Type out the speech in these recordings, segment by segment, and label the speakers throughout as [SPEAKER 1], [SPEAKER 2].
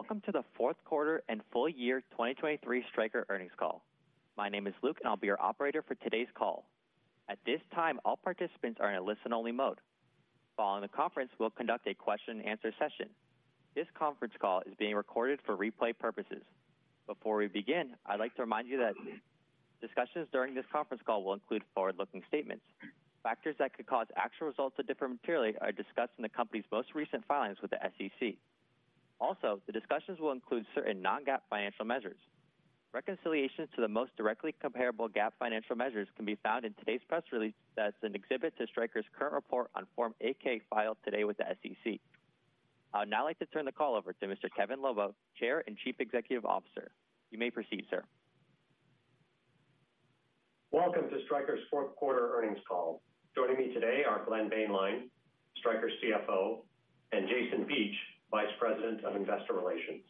[SPEAKER 1] Welcome to the Q4 and full year 2023 Stryker earnings call. My name is Luke, and I'll be your operator for today's call. At this time, all participants are in a listen-only mode. Following the conference, we'll conduct a question-and-answer session. This conference call is being recorded for replay purposes. Before we begin, I'd like to remind you that discussions during this conference call will include forward-looking statements. Factors that could cause actual results to differ materially are discussed in the company's most recent filings with the SEC. Also, the discussions will include certain non-GAAP financial measures. Reconciliations to the most directly comparable GAAP financial measures can be found in today's press release as an exhibit to Stryker's current report on Form 8-K, filed today with the SEC. I'd now like to turn the call over to Mr. Kevin Lobo, Chair and Chief Executive Officer. You may proceed, sir.
[SPEAKER 2] Welcome to Stryker's Q4 earnings call. Joining me today are Glenn Boehnlein, Stryker's CFO, and Jason Beach, Vice President of Investor Relations.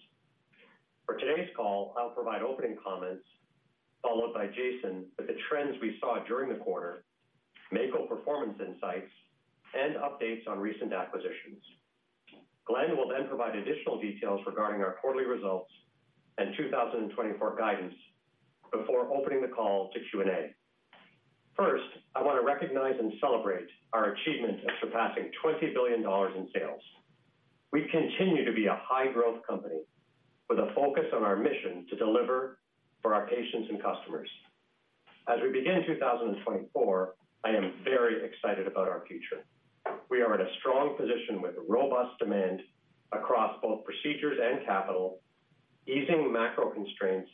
[SPEAKER 2] For today's call, I'll provide opening comments, followed by Jason, with the trends we saw during the quarter, Mako performance insights, and updates on recent acquisitions. Glenn will then provide additional details regarding our quarterly results and 2024 guidance before opening the call to Q&A. First, I want to recognize and celebrate our achievement of surpassing $20 billion in sales. We continue to be a high-growth company with a focus on our mission to deliver for our patients and customers. As we begin 2024, I am very excited about our future. We are in a strong position with robust demand across both procedures and capital, easing macro constraints,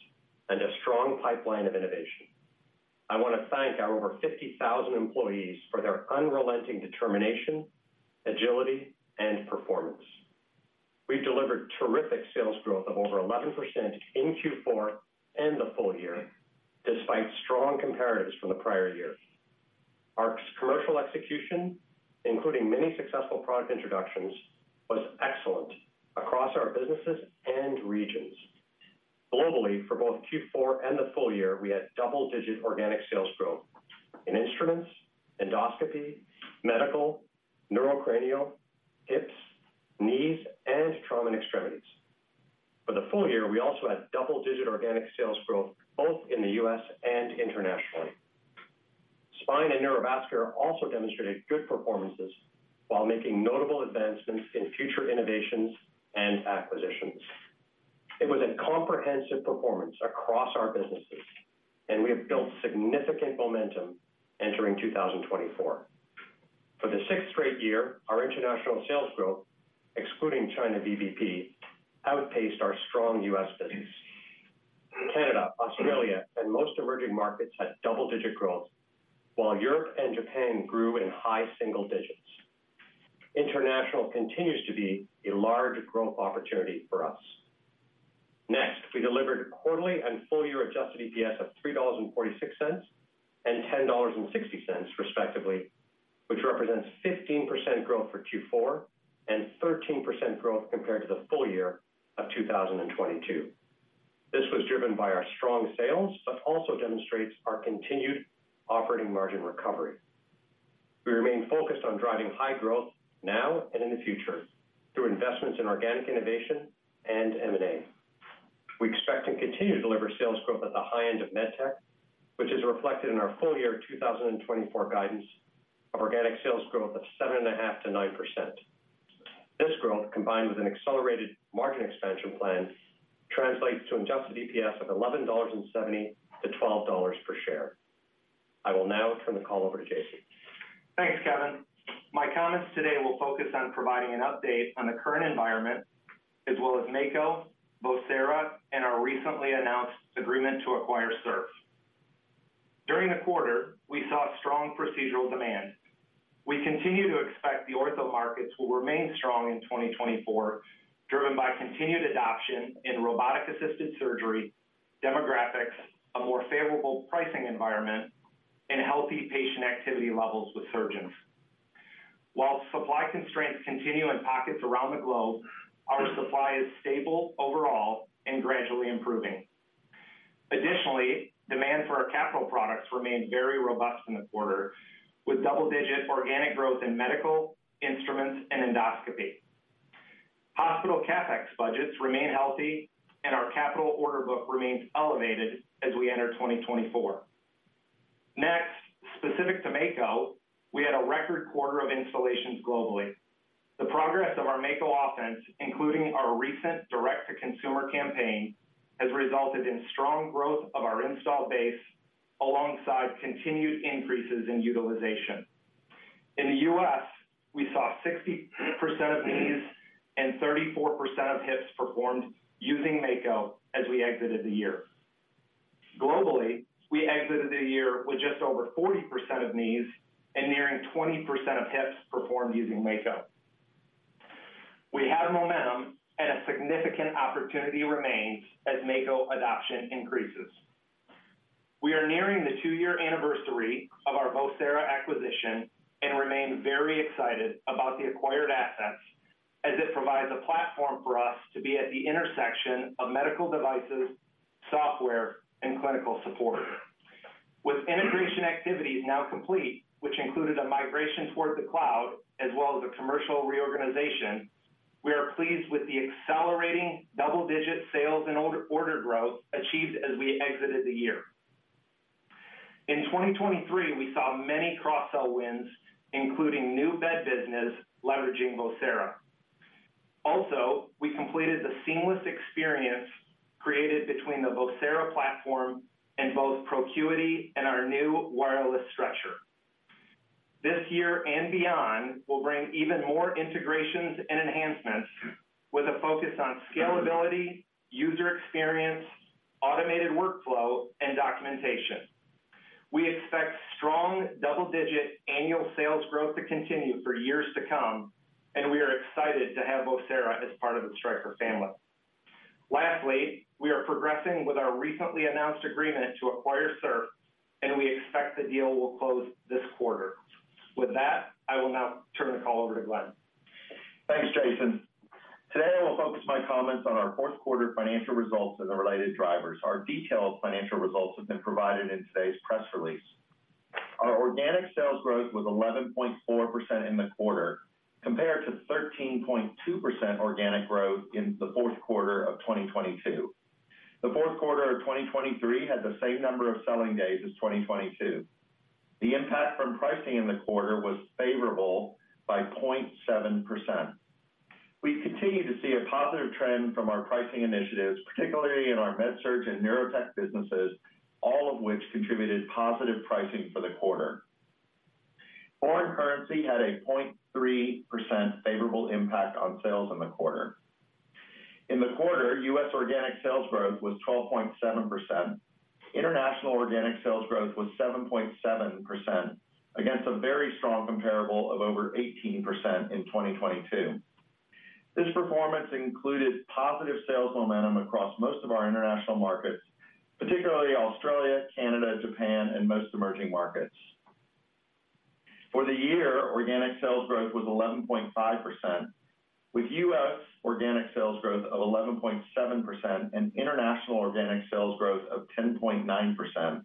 [SPEAKER 2] and a strong pipeline of innovation. I want to thank our over 50,000 employees for their unrelenting determination, agility, and performance. We've delivered terrific sales growth of over 11% in Q4 and the full year, despite strong comparatives from the prior year. Our commercial execution, including many successful product introductions, was excellent across our businesses and regions. Globally, for both Q4 and the full year, we had double-digit organic sales growth in instruments, endoscopy, medical, Neuro and Cranial, hips, knees, and trauma and extremities. For the full year, we also had double-digit organic sales growth both in the U.S. and internationally. Spine and neurovascular also demonstrated good performances while making notable advancements in future innovations and acquisitions. It was a comprehensive performance across our businesses, and we have built significant momentum entering 2024. For the sixth straight year, our international sales growth, excluding China VBP, outpaced our strong U.S. business. Canada, Australia, and most emerging markets had double-digit growth, while Europe and Japan grew in high single digits. International continues to be a large growth opportunity for us. Next, we delivered quarterly and full-year adjusted EPS of $3.46 and $10.60, respectively, which represents 15% growth for Q4 and 13% growth compared to the full year of 2022. This was driven by our strong sales, but also demonstrates our continued operating margin recovery. We remain focused on driving high growth now and in the future through investments in organic innovation and M&A. We expect and continue to deliver sales growth at the high end of med tech, which is reflected in our full-year 2024 guidance of organic sales growth of 7.5%-9%. This growth, combined with an accelerated margin expansion plan, translates to an adjusted EPS of $11.70-$12 per share. I will now turn the call over to Jason.
[SPEAKER 3] Thanks, Kevin. My comments today will focus on providing an update on the current environment, as well as Mako, Vocera, and our recently announced agreement to acquire SERF. During the quarter, we saw strong procedural demand. We continue to expect the ortho markets will remain strong in 2024, driven by continued adoption in robotic-assisted surgery, demographics, a more favorable pricing environment, and healthy patient activity levels with surgeons. While supply constraints continue in pockets around the globe, our supply is stable overall and gradually improving. Additionally, demand for our capital products remained very robust in the quarter, with double-digit organic growth in medical, instruments and endoscopy. Hospital CapEx budgets remain healthy, and our capital order book remains elevated as we enter 2024. Next, specific to Mako, we had a record quarter of installations globally. The progress of our Mako offense, including our recent direct-to-consumer campaign, has resulted in strong growth of our installed base alongside continued increases in utilization. In the U.S., we saw 60% of knees and 34% of hips performed using Mako as we exited the year. Globally, we exited the year with just over 40% of knees and nearing 20% of hips performed using Mako. We have momentum, and a significant opportunity remains as Mako adoption increases. We are nearing the two-year anniversary of our Vocera acquisition and remain very excited about the acquired assets as it provides a platform for us to be at the intersection of medical devices, software, and clinical support.... With integration activities now complete, which included a migration toward the cloud as well as a commercial reorganization, we are pleased with the accelerating double-digit sales and order growth achieved as we exited the year. In 2023, we saw many cross-sell wins, including new bed business leveraging Vocera. Also, we completed the seamless experience created between the Vocera platform and both Procuity and our new wireless structure. This year and beyond will bring even more integrations and enhancements with a focus on scalability, user experience, automated workflow, and documentation. We expect strong double-digit annual sales growth to continue for years to come, and we are excited to have Vocera as part of the Stryker family. Lastly, we are progressing with our recently announced agreement to acquire SERF, and we expect the deal will close this quarter. With that, I will now turn the call over to Glenn.
[SPEAKER 4] Thanks, Jason. Today, I will focus my comments on our Q4 financial results and the related drivers. Our detailed financial results have been provided in today's press release. Our organic sales growth was 11.4% in the quarter, compared to 13.2% organic growth in the Q4 of 2022. The Q4 of 2023 had the same number of selling days as 2022. The impact from pricing in the quarter was favorable by 0.7%. We continue to see a positive trend from our pricing initiatives, particularly in our MedSurg and Neurotech businesses, all of which contributed positive pricing for the quarter. Foreign currency had a 0.3% favorable impact on sales in the quarter. In the quarter, U.S. organic sales growth was 12.7%. International organic sales growth was 7.7%, against a very strong comparable of over 18% in 2022. This performance included positive sales momentum across most of our international markets, particularly Australia, Canada, Japan, and most emerging markets. For the year, organic sales growth was 11.5%, with U.S. organic sales growth of 11.7% and international organic sales growth of 10.9%.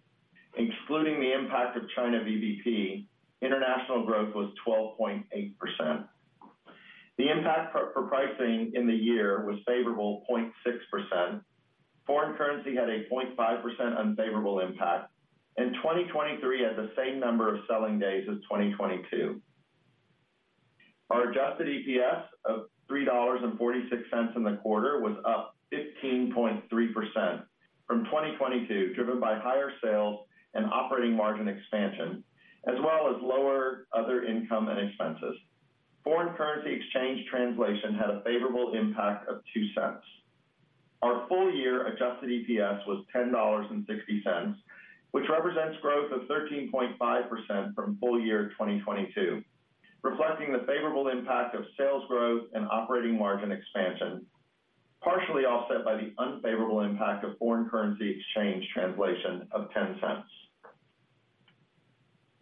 [SPEAKER 4] Excluding the impact of China VBP, international growth was 12.8%. The impact for pricing in the year was favorable 0.6%. Foreign currency had a 0.5% unfavorable impact, and 2023 had the same number of selling days as 2022. Our adjusted EPS of $3.46 in the quarter was up 15.3% from 2022, driven by higher sales and operating margin expansion, as well as lower other income and expenses. Foreign currency exchange translation had a favorable impact of $0.02. Our full-year adjusted EPS was $10.60, which represents growth of 13.5% from full-year 2022, reflecting the favorable impact of sales growth and operating margin expansion, partially offset by the unfavorable impact of foreign currency exchange translation of $0.10.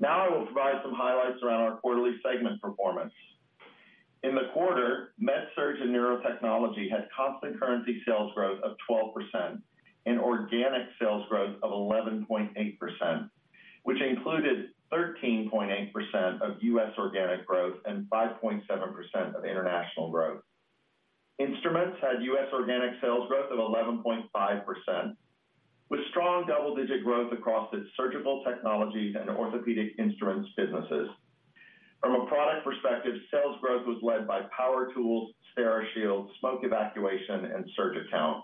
[SPEAKER 4] Now I will provide some highlights around our quarterly segment performance. In the quarter, MedSurg and Neurotechnology had constant currency sales growth of 12% and organic sales growth of 11.8%, which included 13.8% of U.S. organic growth and 5.7% of international growth. Instruments had U.S. organic sales growth of 11.5%, with strong double-digit growth across its surgical technologies and orthopedic instruments businesses. From a product perspective, sales growth was led by power tools, Steri-Shield, smoke evacuation, and SurgiCount.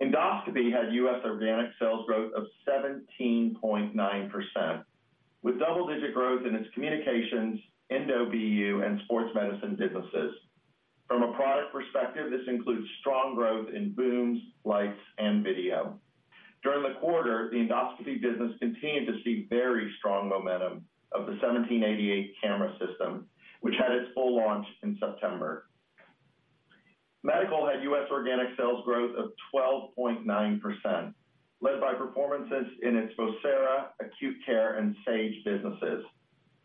[SPEAKER 4] Endoscopy had U.S. organic sales growth of 17.9%, with double-digit growth in its Communications, Endourology, and Sports Medicine businesses. From a product perspective, this includes strong growth in booms, lights, and video. During the quarter, the endoscopy business continued to see very strong momentum of the 1788 camera system, which had its full launch in September. Medical had U.S. organic sales growth of 12.9%, led by performances in its Vocera, Acute Care, and Sage businesses.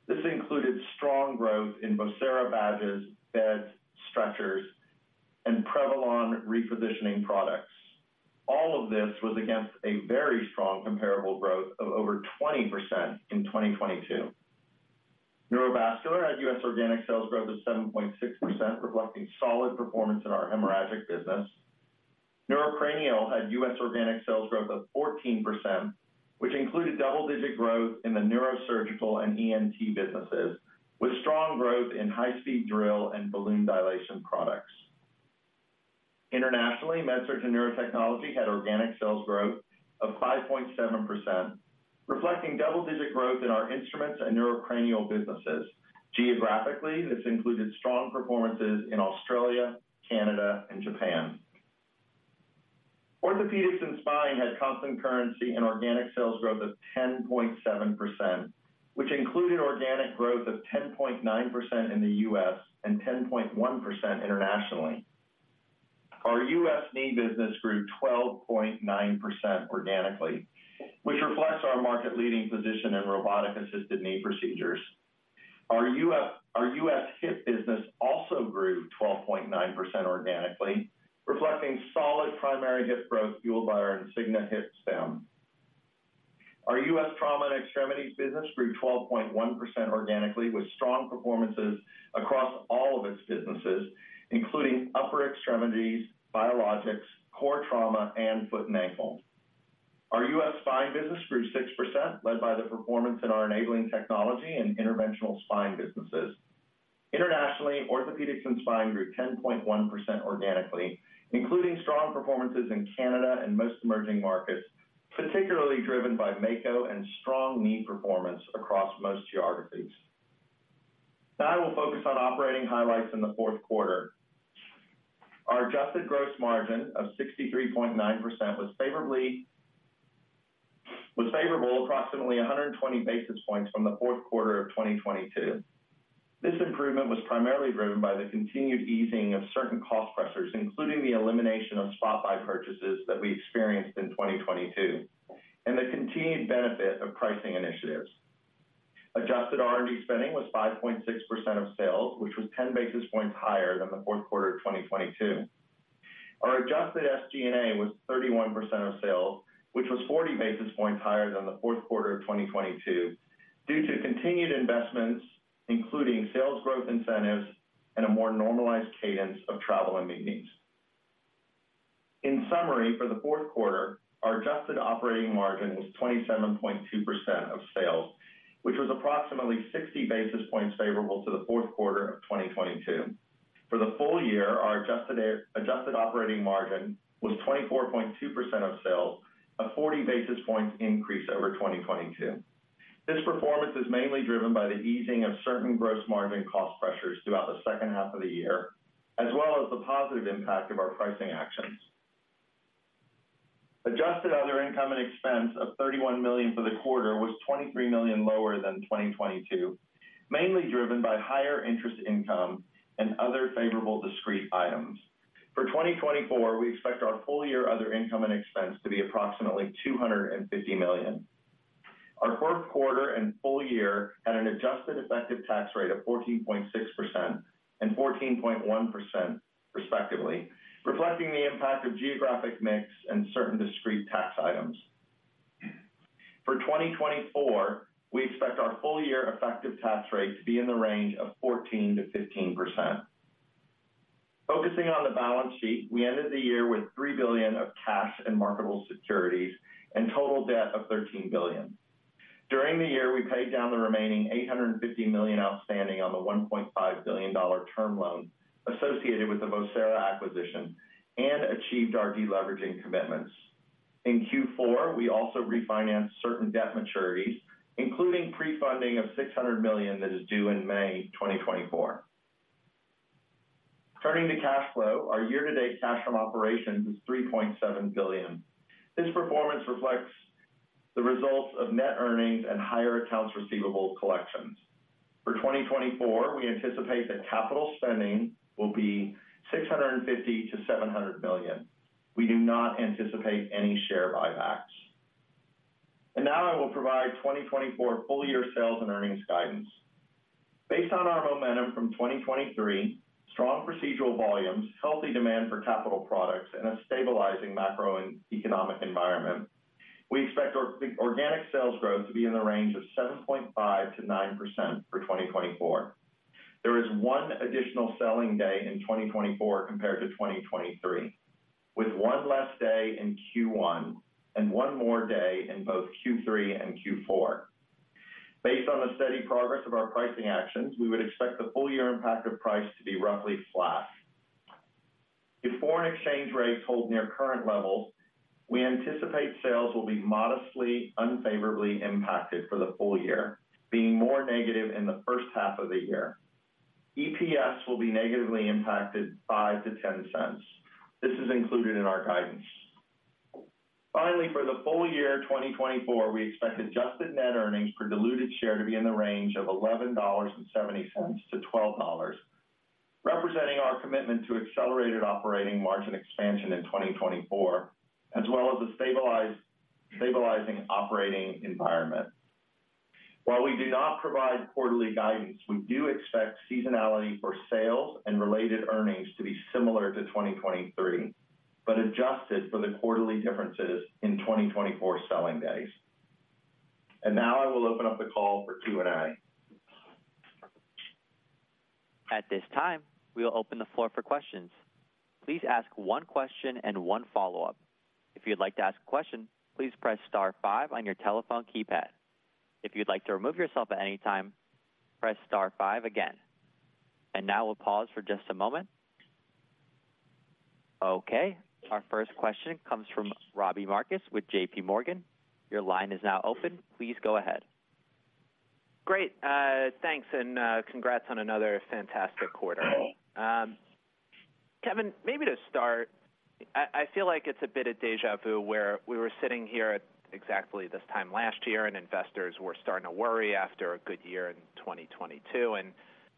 [SPEAKER 4] This included strong growth in Vocera badges, beds, stretchers, and Prevalon repositioning products. All of this was against a very strong comparable growth of over 20% in 2022. Neurovascular had U.S. organic sales growth of 7.6%, reflecting solid performance in our hemorrhagic business. Neurocranial had U.S. organic sales growth of 14%, which included double-digit growth in the neurosurgical and ENT businesses, with strong growth in high-speed drill and balloon dilation products. Internationally, MedSurg and Neurotechnology had organic sales growth of 5.7%, reflecting double-digit growth in our instruments and neurocranial businesses. Geographically, this included strong performances in Australia, Canada, and Japan. Orthopedics and Spine had constant currency and organic sales growth of 10.7%, which included organic growth of 10.9% in the U.S. and 10.1% internationally. Our U.S. knee business grew 12.9% organically, which reflects our market-leading position in robotic-assisted knee procedures.... Our U.S. hip business also grew 12.9% organically, reflecting solid primary hip growth fueled by our Insignia hip stem. Our U.S. trauma and extremities business grew 12.1% organically, with strong performances across all of its businesses, including upper extremities, biologics, core trauma, and foot and ankle. Our U.S. spine business grew 6%, led by the performance in our enabling technology and interventional spine businesses. Internationally, orthopedics and spine grew 10.1% organically, including strong performances in Canada and most emerging markets, particularly driven by Mako and strong knee performance across most geographies. Now I will focus on operating highlights in the Q4. Our adjusted gross margin of 63.9% was favorable, approximately 120 basis points from the Q4 2022. This improvement was primarily driven by the continued easing of certain cost pressures, including the elimination of spot buy purchases that we experienced in 2022, and the continued benefit of pricing initiatives. Adjusted R&D spending was 5.6% of sales, which was 10 basis points higher than the Q4 of 2022. Our adjusted SG&A was 31% of sales, which was 40 basis points higher than the Q4 of 2022, due to continued investments, including sales growth incentives and a more normalized cadence of travel and meetings. In summary, for the Q4, our adjusted operating margin was 27.2% of sales, which was approximately 60 basis points favorable to the Q4 of 2022. For the full year, our adjusted, adjusted operating margin was 24.2% of sales, a 40 basis points increase over 2022. This performance is mainly driven by the easing of certain gross margin cost pressures throughout the second half of the year, as well as the positive impact of our pricing actions. Adjusted other income and expense of $31 million for the quarter was $23 million lower than 2022, mainly driven by higher interest income and other favorable discrete items. For 2024, we expect our full-year other income and expense to be approximately $250 million. Our Q4 and full year had an adjusted effective tax rate of 14.6% and 14.1%, respectively, reflecting the impact of geographic mix and certain discrete tax items. For 2024, we expect our full-year effective tax rate to be in the range of 14%-15%. Focusing on the balance sheet, we ended the year with $3 billion of cash and marketable securities and total debt of $13 billion. During the year, we paid down the remaining $850 million outstanding on the $1.5 billion term loan associated with the Vocera acquisition and achieved our deleveraging commitments. In Q4, we also refinanced certain debt maturities, including pre-funding of $600 million that is due in May 2024. Turning to cash flow, our year-to-date cash from operations is $3.7 billion. This performance reflects the results of net earnings and higher accounts receivable collections. For 2024, we anticipate that capital spending will be $650 million-$700 million. We do not anticipate any share buybacks. And now I will provide 2024 full-year sales and earnings guidance. Based on our momentum from 2023, strong procedural volumes, healthy demand for capital products, and a stabilizing macro and economic environment, we expect our organic sales growth to be in the range of 7.5%-9% for 2024. There is one additional selling day in 2024 compared to 2023, with one less day in Q1 and one more day in both Q3 and Q4. Based on the steady progress of our pricing actions, we would expect the full year impact of price to be roughly flat. If foreign exchange rates hold near current levels, we anticipate sales will be modestly unfavorably impacted for the full year, being more negative in the first half of the year. EPS will be negatively impacted $0.05-$0.10. This is included in our guidance. Finally, for the full year 2024, we expect adjusted net earnings per diluted share to be in the range of $11.70-$12.00, representing our commitment to accelerated operating margin expansion in 2024, as well as the stabilizing operating environment. While we do not provide quarterly guidance, we do expect seasonality for sales and related earnings to be similar to 2023, but adjusted for the quarterly differences in 2024 selling days. Now I will open up the call for Q&A.
[SPEAKER 1] At this time, we will open the floor for questions. Please ask one question and one follow-up. If you'd like to ask a question, please press star five on your telephone keypad. If you'd like to remove yourself at any time, press star five again. And now we'll pause for just a moment. Okay, our first question comes from Robbie Marcus with JP Morgan. Your line is now open. Please go ahead.
[SPEAKER 5] Great. Thanks, and congrats on another fantastic quarter. Kevin, maybe to start, I feel like it's a bit of déjà vu where we were sitting here at exactly this time last year, and investors were starting to worry after a good year in 2022, and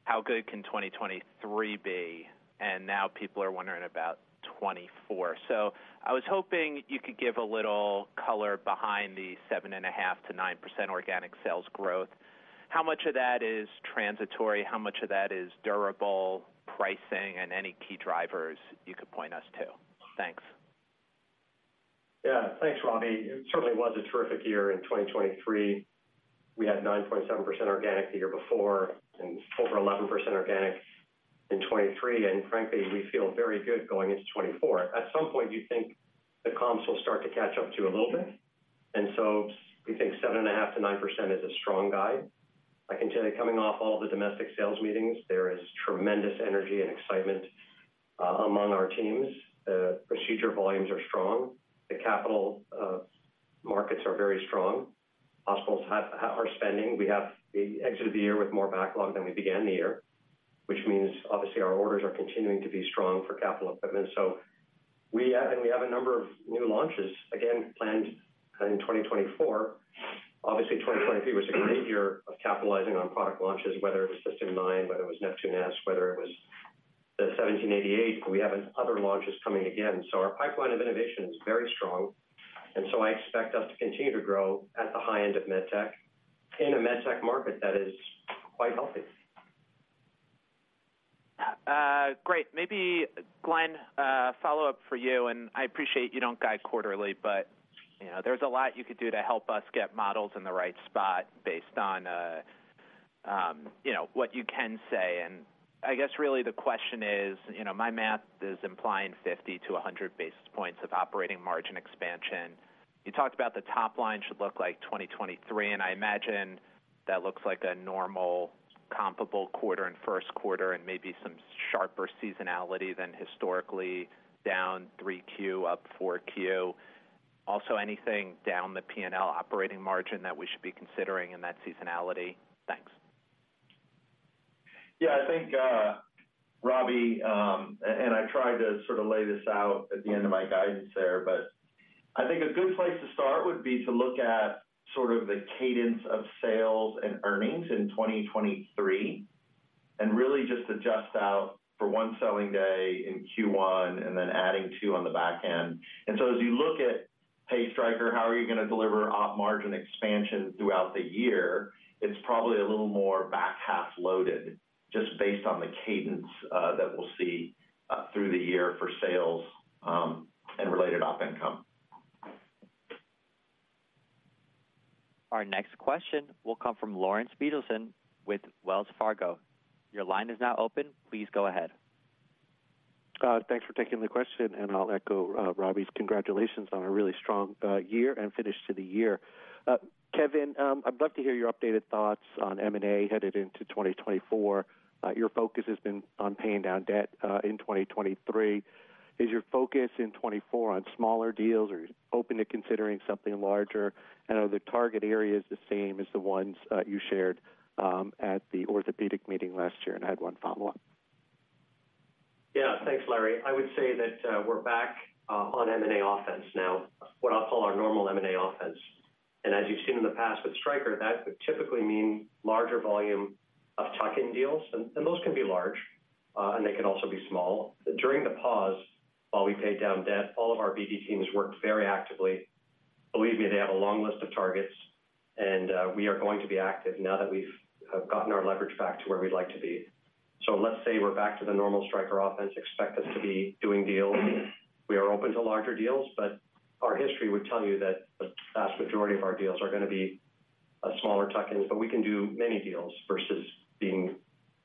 [SPEAKER 5] how good can 2023 be? And now people are wondering about 2024. So I was hoping you could give a little color behind the 7.5%-9% organic sales growth. How much of that is transitory? How much of that is durable pricing, and any key drivers you could point us to? Thanks.
[SPEAKER 2] Yeah, thanks, Robbie. It certainly was a terrific year in 2023. We had 9.7% organic the year before and over 11% organic in 2023, and frankly, we feel very good going into 2024. At some point, you think the comps will start to catch up to you a little bit, and so we think 7.5%-9% is a strong guide. I can tell you, coming off all the domestic sales meetings, there is tremendous energy and excitement among our teams. The procedure volumes are strong. The capital markets are very strong. Hospitals are spending. We have exited the year with more backlog than we began the year, which means, obviously, our orders are continuing to be strong for capital equipment. So we have, and we have a number of new launches, again, planned in 2024. Obviously, 2023 was a great year of capitalizing on product launches, whether it was System 9, whether it was Neptune S, whether it was the 1788. We have other launches coming again. So our pipeline of innovation is very strong, and so I expect us to continue to grow at the high end of MedTech, in a MedTech market that is quite healthy.
[SPEAKER 5] Great. Maybe, Glenn, follow-up for you, and I appreciate you don't guide quarterly, but, you know, there's a lot you could do to help us get models in the right spot based on, you know, what you can say. And I guess really the question is, you know, my math is implying 50-100 basis points of operating margin expansion. You talked about the top line should look like 2023, and I imagine that looks like a normal comparable quarter in Q1 and maybe some sharper seasonality than historically down 3Q, up 4Q. Also, anything down the P&L operating margin that we should be considering in that seasonality? Thanks.
[SPEAKER 4] Yeah, I think, Robbie, and I tried to sort of lay this out at the end of my guidance there, but I think a good place to start would be to look at sort of the cadence of sales and earnings in 2023, and really just adjust out for 1 selling day in Q1 and then adding 2 on the back end. And so as you look at, hey, Stryker, how are you going to deliver op margin expansion throughout the year? It's probably a little more back half loaded, just based on the cadence that we'll see through the year for sales, and related op income.
[SPEAKER 1] Our next question will come from Larry Biegelsen with Wells Fargo. Your line is now open. Please go ahead.
[SPEAKER 6] Thanks for taking the question, and I'll echo Robbie's congratulations on a really strong year and finish to the year. Kevin, I'd love to hear your updated thoughts on M&A headed into 2024. Your focus has been on paying down debt in 2023. Is your focus in 2024 on smaller deals, or are you open to considering something larger? And are the target areas the same as the ones you shared at the orthopedic meeting last year? And I had one follow-up.
[SPEAKER 2] Yeah. Thanks, Larry. I would say that, we're back on M&A offense now, what I'll call our normal M&A offense. And as you've seen in the past with Stryker, that would typically mean larger volume of tuck-in deals, and, and those can be large, and they can also be small. During the pause, while we paid down debt, all of our BD teams worked very actively. Believe me, they have a long list of targets, and, we are going to be active now that we've gotten our leverage back to where we'd like to be. So let's say we're back to the normal Stryker offense, expect us to be doing deals. We are open to larger deals, but our history would tell you that the vast majority of our deals are going to be smaller tuck-ins, but we can do many deals versus being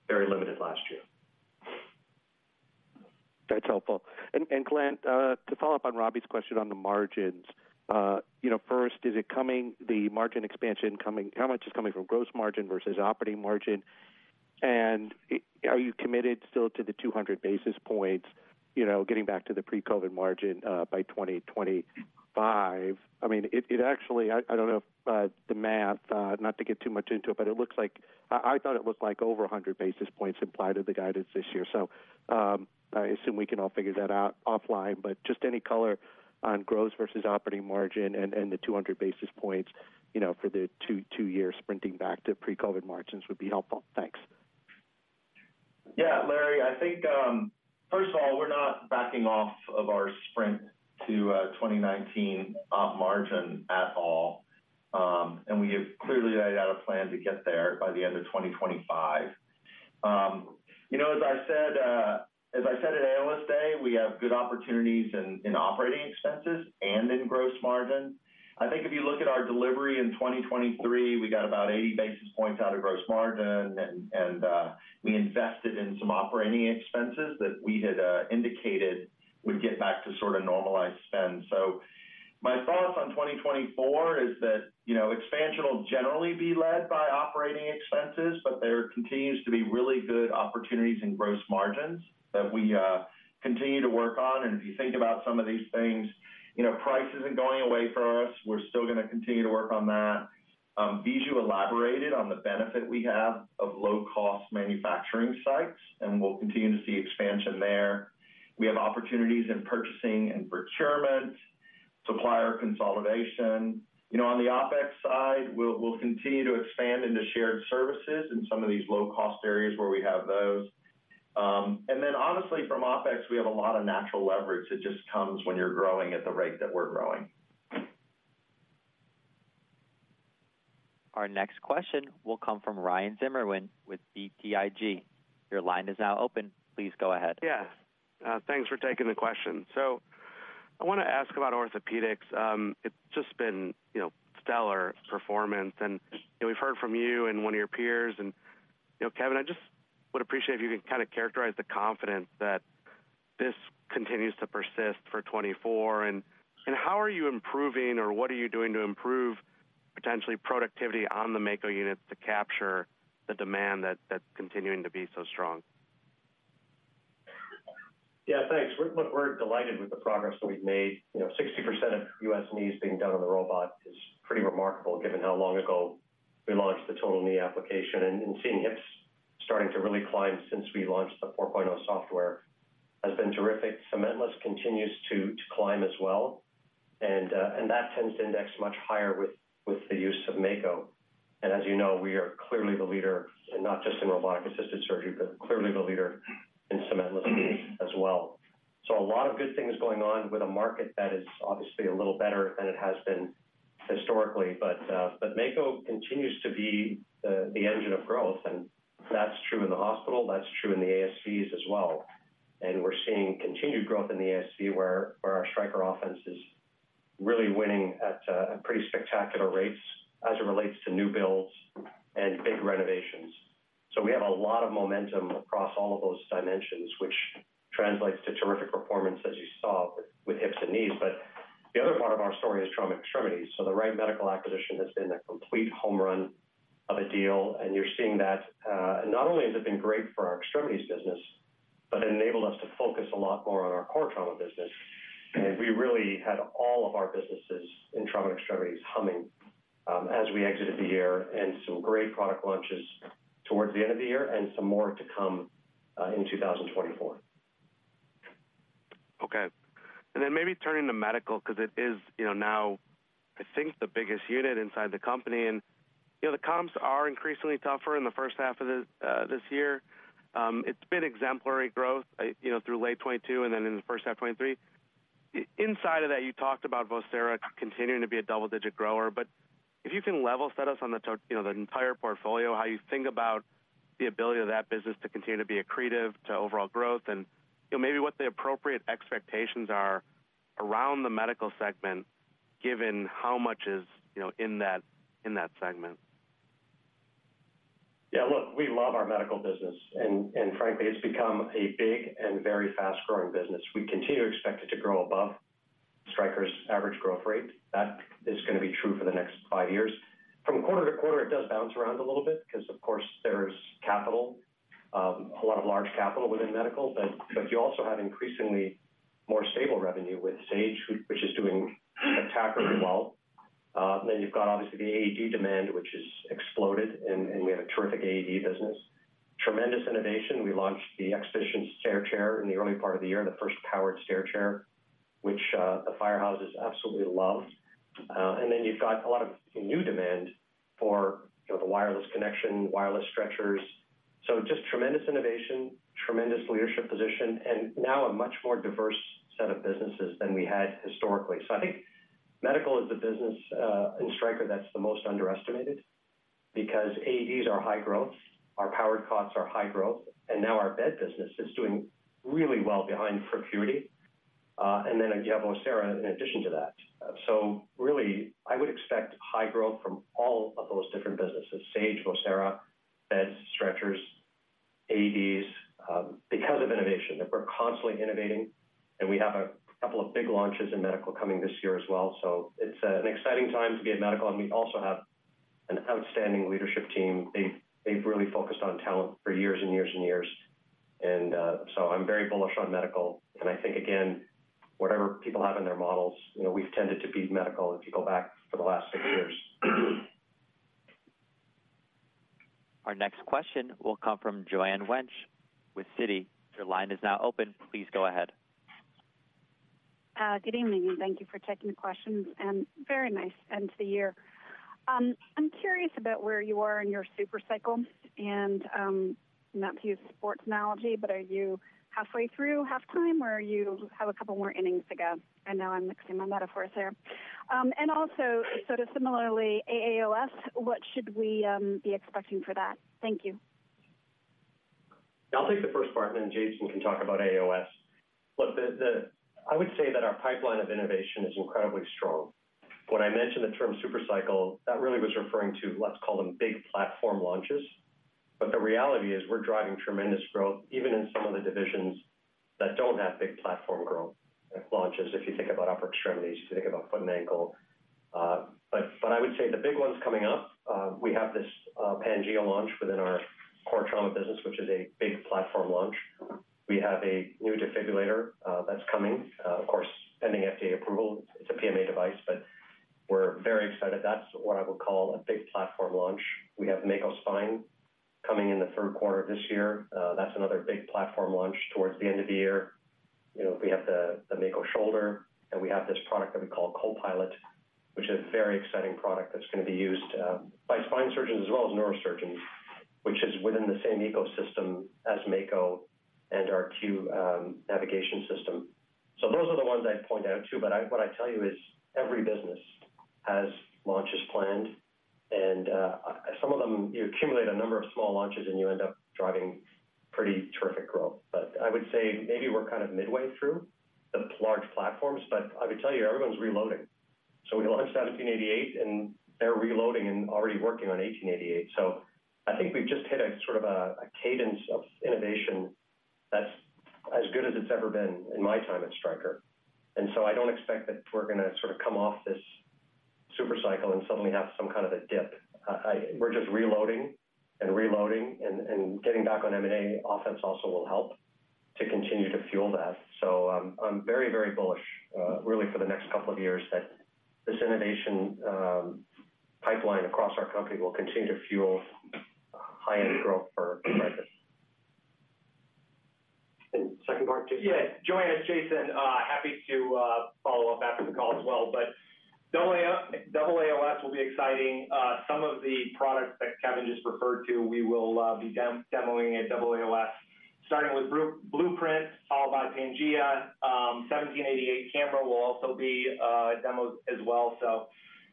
[SPEAKER 2] very limited last year.
[SPEAKER 6] That's helpful. And Glenn, to follow up on Robbie's question on the margins, you know, first, is the margin expansion coming how much is coming from gross margin versus operating margin? And are you committed still to the 200 basis points, you know, getting back to the pre-COVID margin by 2025? I mean, it actually... I don't know if the math, not to get too much into it, but it looks like I thought it looked like over 100 basis points implied in the guidance this year. So, I assume we can all figure that out offline, but just any color on gross versus operating margin and the 200 basis points, you know, for the two-year sprinting back to pre-COVID margins would be helpful. Thanks.
[SPEAKER 4] Yeah, Larry, I think, first of all, we're not backing off of our sprint to 2019 Op margin at all. And we have clearly laid out a plan to get there by the end of 2025. You know, as I said at Analyst Day, we have good opportunities in operating expenses and in gross margin. I think if you look at our delivery in 2023, we got about 80 basis points out of gross margin, and we invested in some operating expenses that we had indicated would get back to sort of normalized spend. So my thoughts on 2024 is that, you know, expansion will generally be led by operating expenses, but there continues to be really good opportunities in gross margins that we continue to work on. If you think about some of these things, you know, price isn't going away for us. We're still going to continue to work on that. Viju elaborated on the benefit we have of low-cost manufacturing sites, and we'll continue to see expansion there. We have opportunities in purchasing and procurement.... supplier consolidation. You know, on the OpEx side, we'll continue to expand into shared services in some of these low-cost areas where we have those. And then honestly, from OpEx, we have a lot of natural leverage that just comes when you're growing at the rate that we're growing.
[SPEAKER 1] Our next question will come from Ryan Zimmerman with BTIG. Your line is now open. Please go ahead.
[SPEAKER 7] Yeah. Thanks for taking the question. So I want to ask about orthopedics. It's just been, you know, stellar performance, and we've heard from you and one of your peers, and, you know, Kevin, I just would appreciate if you can kind of characterize the confidence that this continues to persist for 2024. And how are you improving or what are you doing to improve potentially productivity on the Mako units to capture the demand that's continuing to be so strong?
[SPEAKER 2] Yeah, thanks. Look, we're delighted with the progress that we've made. You know, 60% of U.S. knees being done on the robot is pretty remarkable, given how long ago we launched the total knee application, and seeing hips starting to really climb since we launched the 4.0 software has been terrific. Cementless continues to climb as well, and that tends to index much higher with the use of Mako. And as you know, we are clearly the leader, not just in robotic-assisted surgery, but clearly the leader in cementless knees as well. So a lot of good things going on with a market that is obviously a little better than it has been historically. But Mako continues to be the engine of growth, and that's true in the hospital, that's true in the ASCs as well. And we're seeing continued growth in the ASC, where our Stryker offense is really winning at a pretty spectacular rates as it relates to new builds and big renovations. So we have a lot of momentum across all of those dimensions, which translates to terrific performance, as you saw with hips and knees. But the other part of our story is Trauma Extremities. So the Wright Medical acquisition has been a complete home run of a deal, and you're seeing that. Not only has it been great for our extremities business, but enabled us to focus a lot more on our core trauma business. And we really had all of our businesses in Trauma Extremities humming, as we exited the year, and some great product launches towards the end of the year and some more to come in 2024.
[SPEAKER 7] Okay. And then maybe turning to medical, because it is, you know, now, I think, the biggest unit inside the company, and, you know, the comps are increasingly tougher in the first half of this year. It's been exemplary growth, you know, through late 2022 and then in the first half of 2023. Inside of that, you talked about Vocera continuing to be a double-digit grower, but if you can level set us on the, you know, the entire portfolio, how you think about the ability of that business to continue to be accretive to overall growth, and, you know, maybe what the appropriate expectations are around the medical segment, given how much is, you know, in that, in that segment.
[SPEAKER 2] Yeah, look, we love our medical business, and frankly, it's become a big and very fast-growing business. We continue to expect it to grow above Stryker's average growth rate. That is going to be true for the next five years. From quarter to quarter, it does bounce around a little bit because, of course, there's capital, a lot of large capital within medical, but you also have increasingly more stable revenue with Sage, which is doing attractively well. Then you've got, obviously, the AED demand, which has exploded, and we have a terrific AED business. Tremendous innovation. We launched the Xpedition stair chair in the early part of the year, the first powered stair chair, which the firehouses absolutely loved. And then you've got a lot of new demand for, you know, the wireless connection, wireless stretchers. So just tremendous innovation, tremendous leadership position, and now a much more diverse set of businesses than we had historically. So I think medical is a business in Stryker that's the most underestimated because AEDs are high growth, our powered cots are high growth, and now our bed business is doing really well behind Procuity, and then you have Vocera in addition to that. So really, I would expect high growth from all of those different businesses, Sage, Vocera, beds, stretchers, AEDs, because of innovation, that we're constantly innovating, and we have a couple of big launches in medical coming this year as well. So it's an exciting time to be in medical, and we also have an outstanding leadership team. They've, they've really focused on talent for years and years and years. And, so I'm very bullish on medical, and I think, again, whatever people have in their models, you know, we've tended to beat medical if you go back for the last six years.
[SPEAKER 1] Our next question will come from Joanne Wuensch with Citi. Your line is now open. Please go ahead.
[SPEAKER 8] Good evening. Thank you for taking the questions, and very nice end to the year. I'm curious about where you are in your super cycle, and, not to use a sports analogy, but are you halfway through halftime or you have a couple more innings to go? I know I'm mixing my metaphors here. And also, sort of similarly, AAOS, what should we be expecting for that? Thank you.
[SPEAKER 1] I'll take the first part, and then Jason can talk about AAOS. Look, I would say that our pipeline of innovation is incredibly strong. When I mentioned the term super cycle, that really was referring to, let's call them, big platform launches. But the reality is we're driving tremendous growth, even in some of the divisions that don't have big platform growth launches. If you think about upper extremities, you think about foot and ankle. But I would say the big ones coming up, we have this Pangea launch within our core trauma business, which is a big platform launch. We have a new defibrillator that's coming, of course, pending FDA approval. It's a PMA device, but we're very excited. That's what I would call a big platform launch. We have Mako Spine.... Coming in the third quarter of this year, that's another big platform launch towards the end of the year. You know, we have the Mako Shoulder, and we have this product that we call Copilot, which is a very exciting product that's gonna be used by spine surgeons as well as neurosurgeons, which is within the same ecosystem as Mako and our Q Guidance System. So those are the ones I'd point out to, but what I tell you is every business has launches planned, and some of them, you accumulate a number of small launches and you end up driving pretty terrific growth. But I would say maybe we're kind of midway through the large platforms, but I would tell you everyone's reloading. So we launched 1788, and they're reloading and already working on 1888. So I think we've just hit a sort of a cadence of innovation that's as good as it's ever been in my time at Stryker. And so I don't expect that we're gonna sort of come off this super cycle and suddenly have some kind of a dip. We're just reloading and reloading and getting back on M&A offense also will help to continue to fuel that. So I'm very, very bullish really for the next couple of years that this innovation pipeline across our company will continue to fuel high-end growth for the market. Second part, Jason?
[SPEAKER 3] Yeah, Joanne, it's Jason. Happy to follow up after the call as well. But AAOS, AAOS will be exciting. Some of the products that Kevin just referred to, we will be demoing at AAOS, starting with Blueprint, followed by Pangea. 1788 camera will also be demos as well, so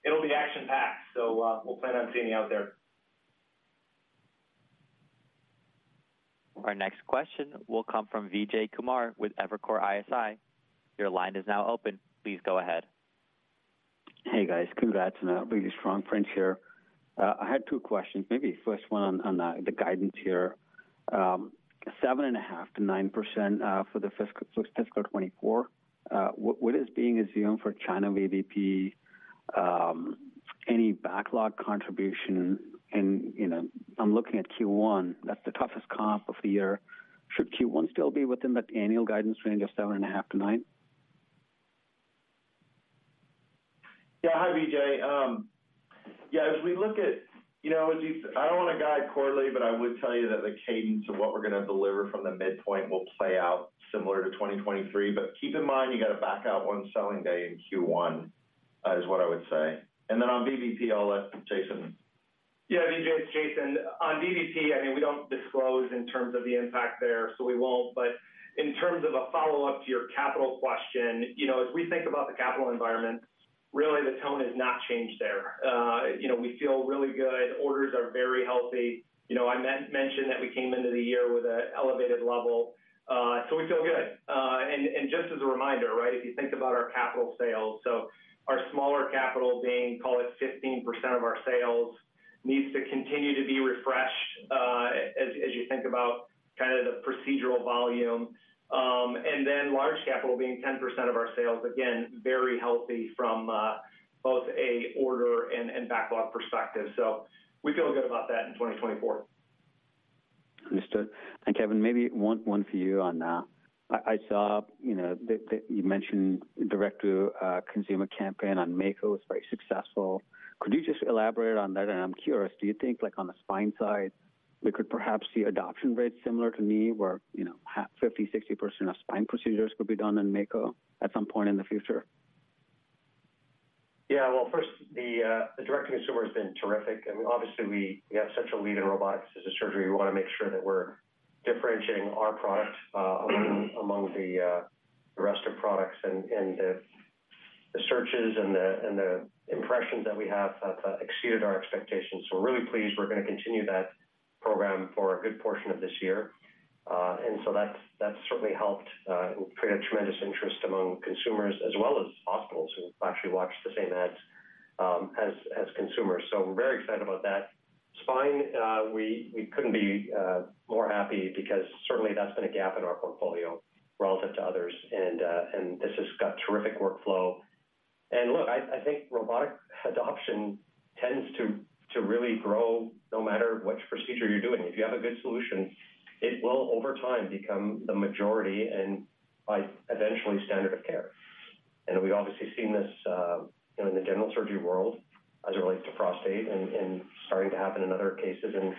[SPEAKER 3] it'll be action-packed. So, we'll plan on seeing you out there.
[SPEAKER 1] Our next question will come from Vijay Kumar with Evercore ISI. Your line is now open. Please go ahead.
[SPEAKER 9] Hey, guys. Congrats on a really strong print here. I had two questions. Maybe first one on the guidance here. 7.5%-9%, for the fiscal 2024. What is being assumed for China VBP? Any backlog contribution? And, you know, I'm looking at Q1, that's the toughest comp of the year. Should Q1 still be within that annual guidance range of 7.5%-9%?
[SPEAKER 2] Yeah. Hi, Vijay. Yeah, as we look at... You know, as you, I don't want to guide quarterly, but I would tell you that the cadence of what we're going to deliver from the midpoint will play out similar to 2023. But keep in mind, you got to back out 1 selling day in Q1 is what I would say. And then on VBP, I'll let Jason.
[SPEAKER 3] Yeah, Vijay, it's Jason. On VBP, I mean, we don't disclose in terms of the impact there, so we won't. But in terms of a follow-up to your capital question, you know, as we think about the capital environment, really, the tone has not changed there. You know, we feel really good. Orders are very healthy. You know, I mentioned that we came into the year with an elevated level, so we feel good. And just as a reminder, right, if you think about our capital sales, so our smaller capital being, call it 15% of our sales, needs to continue to be refreshed, as you think about kind of the procedural volume. And then large capital being 10% of our sales, again, very healthy from both an order and backlog perspective. We feel good about that in 2024.
[SPEAKER 9] Understood. And Kevin, maybe one for you. I saw, you know, that you mentioned direct to consumer campaign on Mako was very successful. Could you just elaborate on that? And I'm curious, do you think, like on the spine side, we could perhaps see adoption rates similar to knee where, you know, half, 50, 60% of spine procedures could be done in Mako at some point in the future?
[SPEAKER 2] Yeah, well, first, the direct consumer has been terrific, and obviously, we have such a lead in robotics as a surgery. We want to make sure that we're differentiating our product among the rest of products. And the searches and the impressions that we have exceeded our expectations. So we're really pleased. We're going to continue that program for a good portion of this year. And so that's certainly helped create a tremendous interest among consumers as well as hospitals, who actually watch the same ads as consumers. So we're very excited about that. Spine, we couldn't be more happy because certainly that's been a gap in our portfolio relative to others. And this has got terrific workflow. And look, I, I think robotic adoption tends to, to really grow no matter which procedure you're doing. If you have a good solution, it will, over time, become the majority and by eventually standard of care. And we've obviously seen this, you know, in the general surgery world as it relates to prostate and, and starting to happen in other cases, and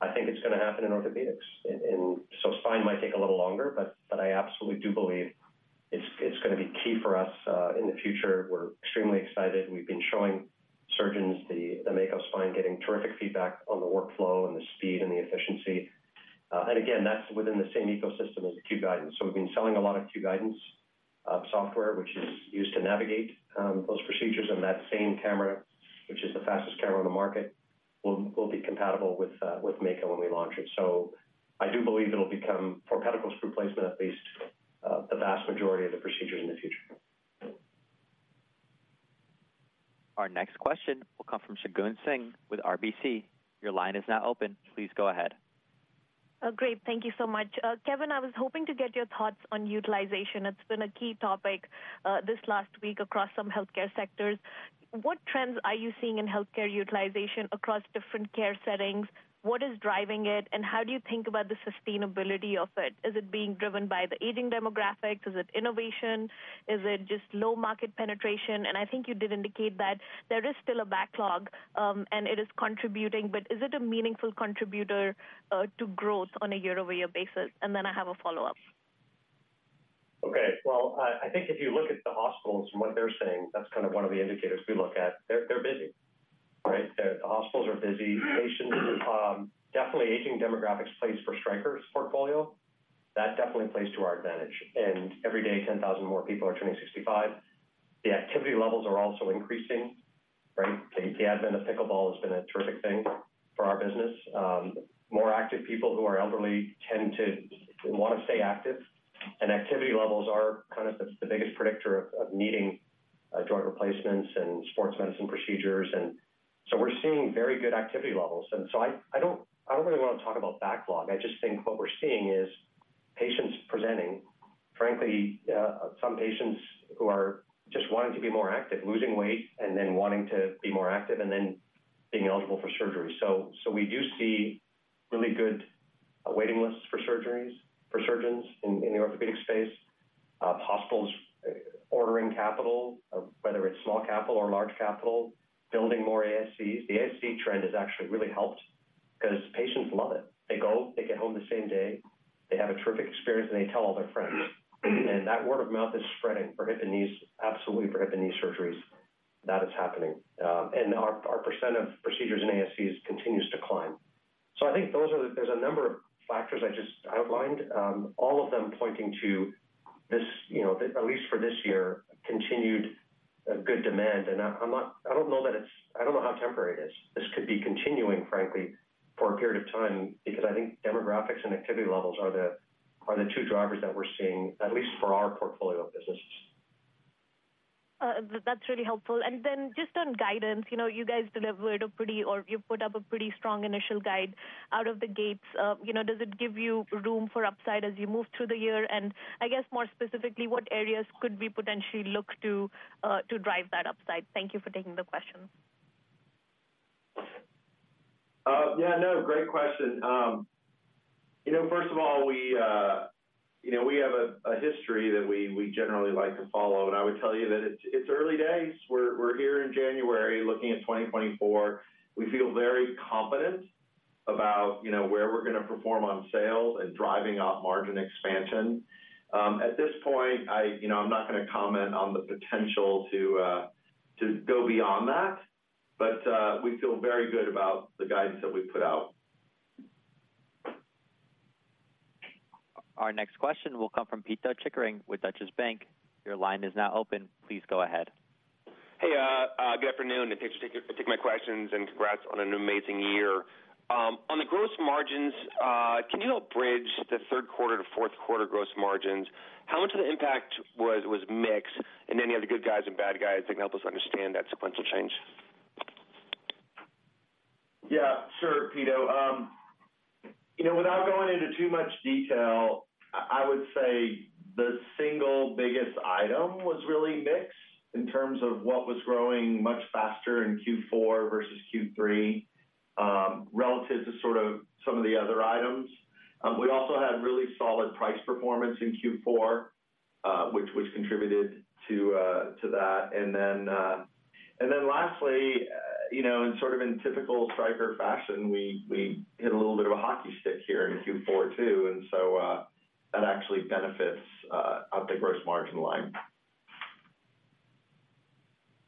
[SPEAKER 2] I think it's going to happen in orthopedics. And so spine might take a little longer, but, but I absolutely do believe it's, it's going to be key for us in the future. We're extremely excited. We've been showing surgeons the Mako Spine, getting terrific feedback on the workflow and the speed and the efficiency. And again, that's within the same ecosystem as the Q Guidance. So we've been selling a lot of Q Guidance software, which is used to navigate those procedures. That same camera, which is the fastest camera on the market, will be compatible with Mako when we launch it. So I do believe it'll become, for pedicle screw placement at least, the vast majority of the procedures in the future.
[SPEAKER 10] Our next question will come from Shagun Singh with RBC. Your line is now open. Please go ahead. Great. Thank you so much. Kevin, I was hoping to get your thoughts on utilization. It's been a key topic this last week across some healthcare sectors. What trends are you seeing in healthcare utilization across different care settings? What is driving it, and how do you think about the sustainability of it? Is it being driven by the aging demographics? Is it innovation? Is it just low market penetration? And I think you did indicate that there is still a backlog, and it is contributing, but is it a meaningful contributor to growth on a year-over-year basis? And then I have a follow-up. Okay, well, I think if you look at the hospitals and what they're saying, that's kind of one of the indicators we look at. They're, they're busy, right? The, the hospitals are busy. Patients, definitely aging demographics plays for Stryker's portfolio. That definitely plays to our advantage. And every day, 10,000 more people are turning 65. The activity levels are also increasing, right? The, the advent of pickleball has been a terrific thing for our business. More active people who are elderly tend to want to stay active, and activity levels are kind of the, the biggest predictor of, of needing joint replacements and Sports Medicine procedures. And so we're seeing very good activity levels. And so I, I don't, I don't really want to talk about backlog. I just think what we're seeing is patients presenting, frankly, some patients who are just wanting to be more active, losing weight, and then wanting to be more active and then being eligible for surgery. So, so we do see really good waiting lists for surgeries, for surgeons in, in the orthopedic space, hospitals ordering capital, whether it's small capital or large capital, building more ASCs. The ASC trend has actually really helped because patients love it. They go, they get home the same day, they have a terrific experience, and they tell all their friends. And that word of mouth is spreading for hip and knees, absolutely for hip and knee surgeries. That is happening. And our, our percent of procedures in ASCs continues to climb. So I think those are the... There's a number of factors I just outlined, all of them pointing to this, you know, at least for this year, continued good demand. And I don't know how temporary it is. This could be continuing, frankly, for a period of time because I think demographics and activity levels are the two drivers that we're seeing, at least for our portfolio of businesses. That's really helpful. And then just on guidance, you know, you guys delivered a pretty or you put up a pretty strong initial guide out of the gates. You know, does it give you room for upside as you move through the year? And I guess more specifically, what areas could we potentially look to, to drive that upside? Thank you for taking the question.
[SPEAKER 4] Yeah, no, great question. You know, first of all, we have a history that we generally like to follow, and I would tell you that it's early days. We're here in January, looking at 2024. We feel very confident about, you know, where we're going to perform on sales and driving op margin expansion. At this point, I, you know, I'm not going to comment on the potential to go beyond that, but we feel very good about the guidance that we've put out.
[SPEAKER 1] Our next question will come from Peter Chickering with Deutsche Bank. Your line is now open. Please go ahead.
[SPEAKER 11] Hey, good afternoon, and thanks for taking my questions, and congrats on an amazing year. On the gross margins, can you help bridge the Q3 to Q4 gross margins? How much of the impact was mixed and any other good guys and bad guys that can help us understand that sequential change?
[SPEAKER 4] Yeah, sure, Peter. You know, without going into too much detail, I would say the single biggest item was really mixed in terms of what was growing much faster in Q4 versus Q3, relative to sort of some of the other items. We also had really solid price performance in Q4, which contributed to that. Then lastly, you know, in sort of typical Stryker fashion, we hit a little bit of a hockey stick here in Q4, too, and so that actually benefits the gross margin line.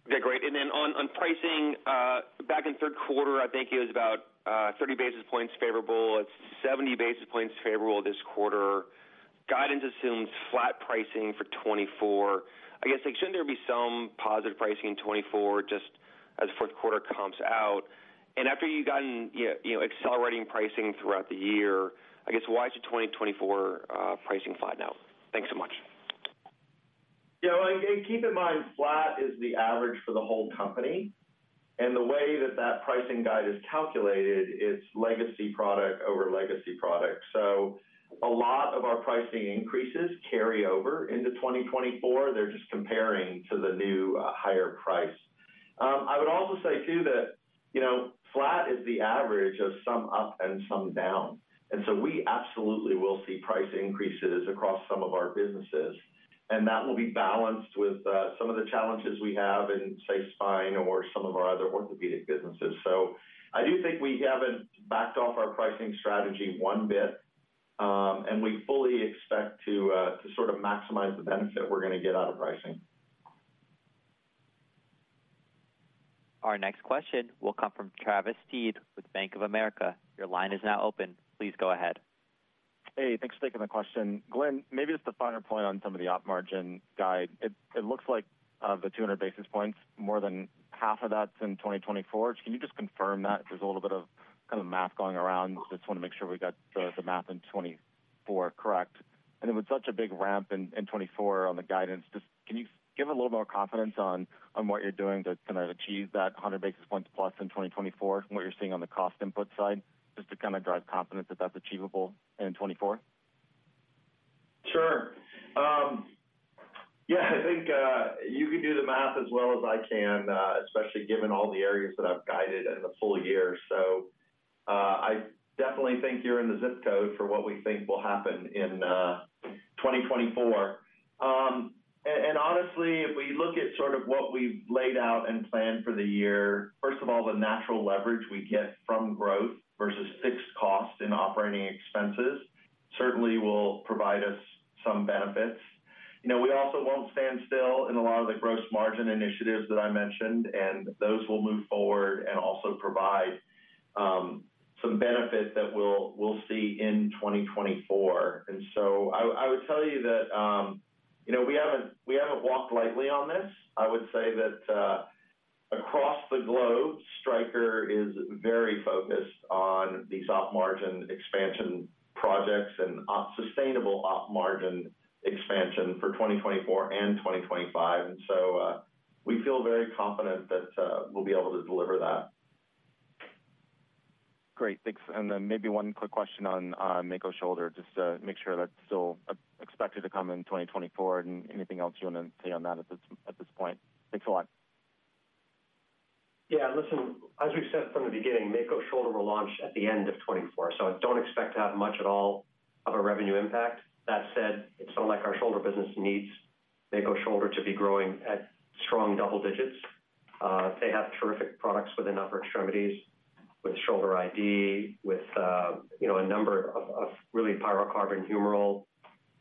[SPEAKER 11] Okay, great. And then on, on pricing, back in the Q3, I think it was about, 30 basis points favorable. It's 70 basis points favorable this quarter. Guidance assumes flat pricing for 2024. I guess, shouldn't there be some positive pricing in 2024, just as the Q4 comps out? And after you've gotten, yeah, you know, accelerating pricing throughout the year, I guess, why is the 2024, pricing flat now? Thanks so much.
[SPEAKER 4] Yeah, and keep in mind, flat is the average for the whole company. The way that that pricing guide is calculated is legacy product over legacy product. So a lot of our pricing increases carry over into 2024. They're just comparing to the new, higher price. I would also say, too, that, you know, flat is the average of some up and some down, and so we absolutely will see price increases across some of our businesses, and that will be balanced with, some of the challenges we have in, say, spine or some of our other orthopedic businesses. So I do think we haven't backed off our pricing strategy one bit, and we fully expect to to sort of maximize the benefit we're going to get out of pricing.
[SPEAKER 1] Our next question will come from Travis Steed with Bank of America. Your line is now open. Please go ahead.
[SPEAKER 12] Hey, thanks for taking my question. Glenn, maybe just a finer point on some of the Op margin guide. It, it looks like, the 200 basis points, more than half of that's in 2024. Can you just confirm that? There's a little bit of kind of math going around. Just want to make sure we got the, the math in 2024 correct. And then with such a big ramp in, in 2024 on the guidance, just can you give a little more confidence on, on what you're doing to kind of achieve that 100 basis points plus in 2024, and what you're seeing on the cost input side, just to kind of drive confidence that that's achievable in 2024?
[SPEAKER 4] Sure. Yeah, I think you can do the math as well as I can, especially given all the areas that I've guided in the full year. So, I definitely think you're in the zip code for what we think will happen in 2024. Sort of what we've laid out and planned for the year, first of all, the natural leverage we get from growth versus fixed costs and operating expenses certainly will provide us some benefits. You know, we also won't stand still in a lot of the gross margin initiatives that I mentioned, and those will move forward and also provide some benefit that we'll see in 2024. And so I would tell you that, you know, we haven't walked lightly on this. I would say that, across the globe, Stryker is very focused on these Op margin expansion projects and sustainable Op margin expansion for 2024 and 2025. And so, we feel very confident that, we'll be able to deliver that.
[SPEAKER 12] Great, thanks. And then maybe one quick question on Mako Shoulder, just to make sure that's still expected to come in 2024 and anything else you want to say on that at this point. Thanks a lot.
[SPEAKER 2] Yeah, listen, as we've said from the beginning, Mako Shoulder will launch at the end of 2024, so don't expect to have much at all of a revenue impact. That said, it's not like our shoulder business needs Mako Shoulder to be growing at strong double digits. They have terrific products within upper extremities, with Shoulder iD, with, you know, a number of really Pyrocarbon humeral.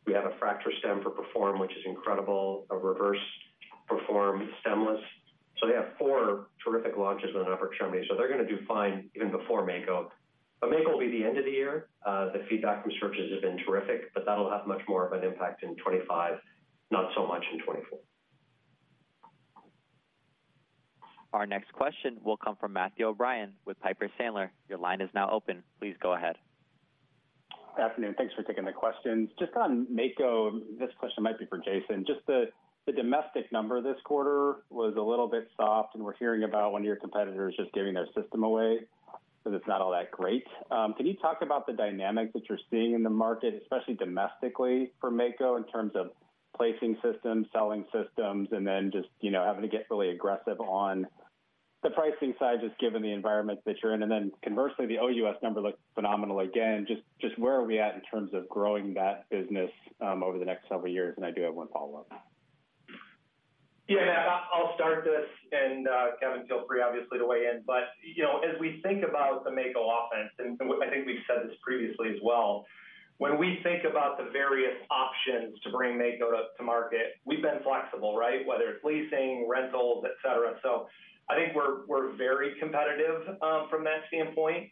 [SPEAKER 2] We have a fracture stem for Perform, which is incredible, a reverse Perform stemless. So they have four terrific launches in the upper extremity, so they're gonna do fine even before Mako. But Mako will be the end of the year. The feedback from surgeons has been terrific, but that'll have much more of an impact in 2025, not so much in 2024.
[SPEAKER 1] Our next question will come from Matthew O'Brien with Piper Sandler. Your line is now open. Please go ahead.
[SPEAKER 13] Afternoon. Thanks for taking the questions. Just on Mako, this question might be for Jason. Just the domestic number this quarter was a little bit soft, and we're hearing about one of your competitors just giving their system away, so that's not all that great. Can you talk about the dynamic that you're seeing in the market, especially domestically for Mako, in terms of placing systems, selling systems, and then just, you know, having to get really aggressive on the pricing side, just given the environment that you're in? And then conversely, the OUS number looks phenomenal again. Just where are we at in terms of growing that business over the next several years? And I do have one follow-up.
[SPEAKER 4] Yeah, Matt, I'll start this, and Kevin, feel free, obviously, to weigh in. But, you know, as we think about the Mako offense, and I think we've said this previously as well, when we think about the various options to bring Mako to market, we've been flexible, right? Whether it's leasing, rentals, et cetera. So I think we're very competitive from that standpoint.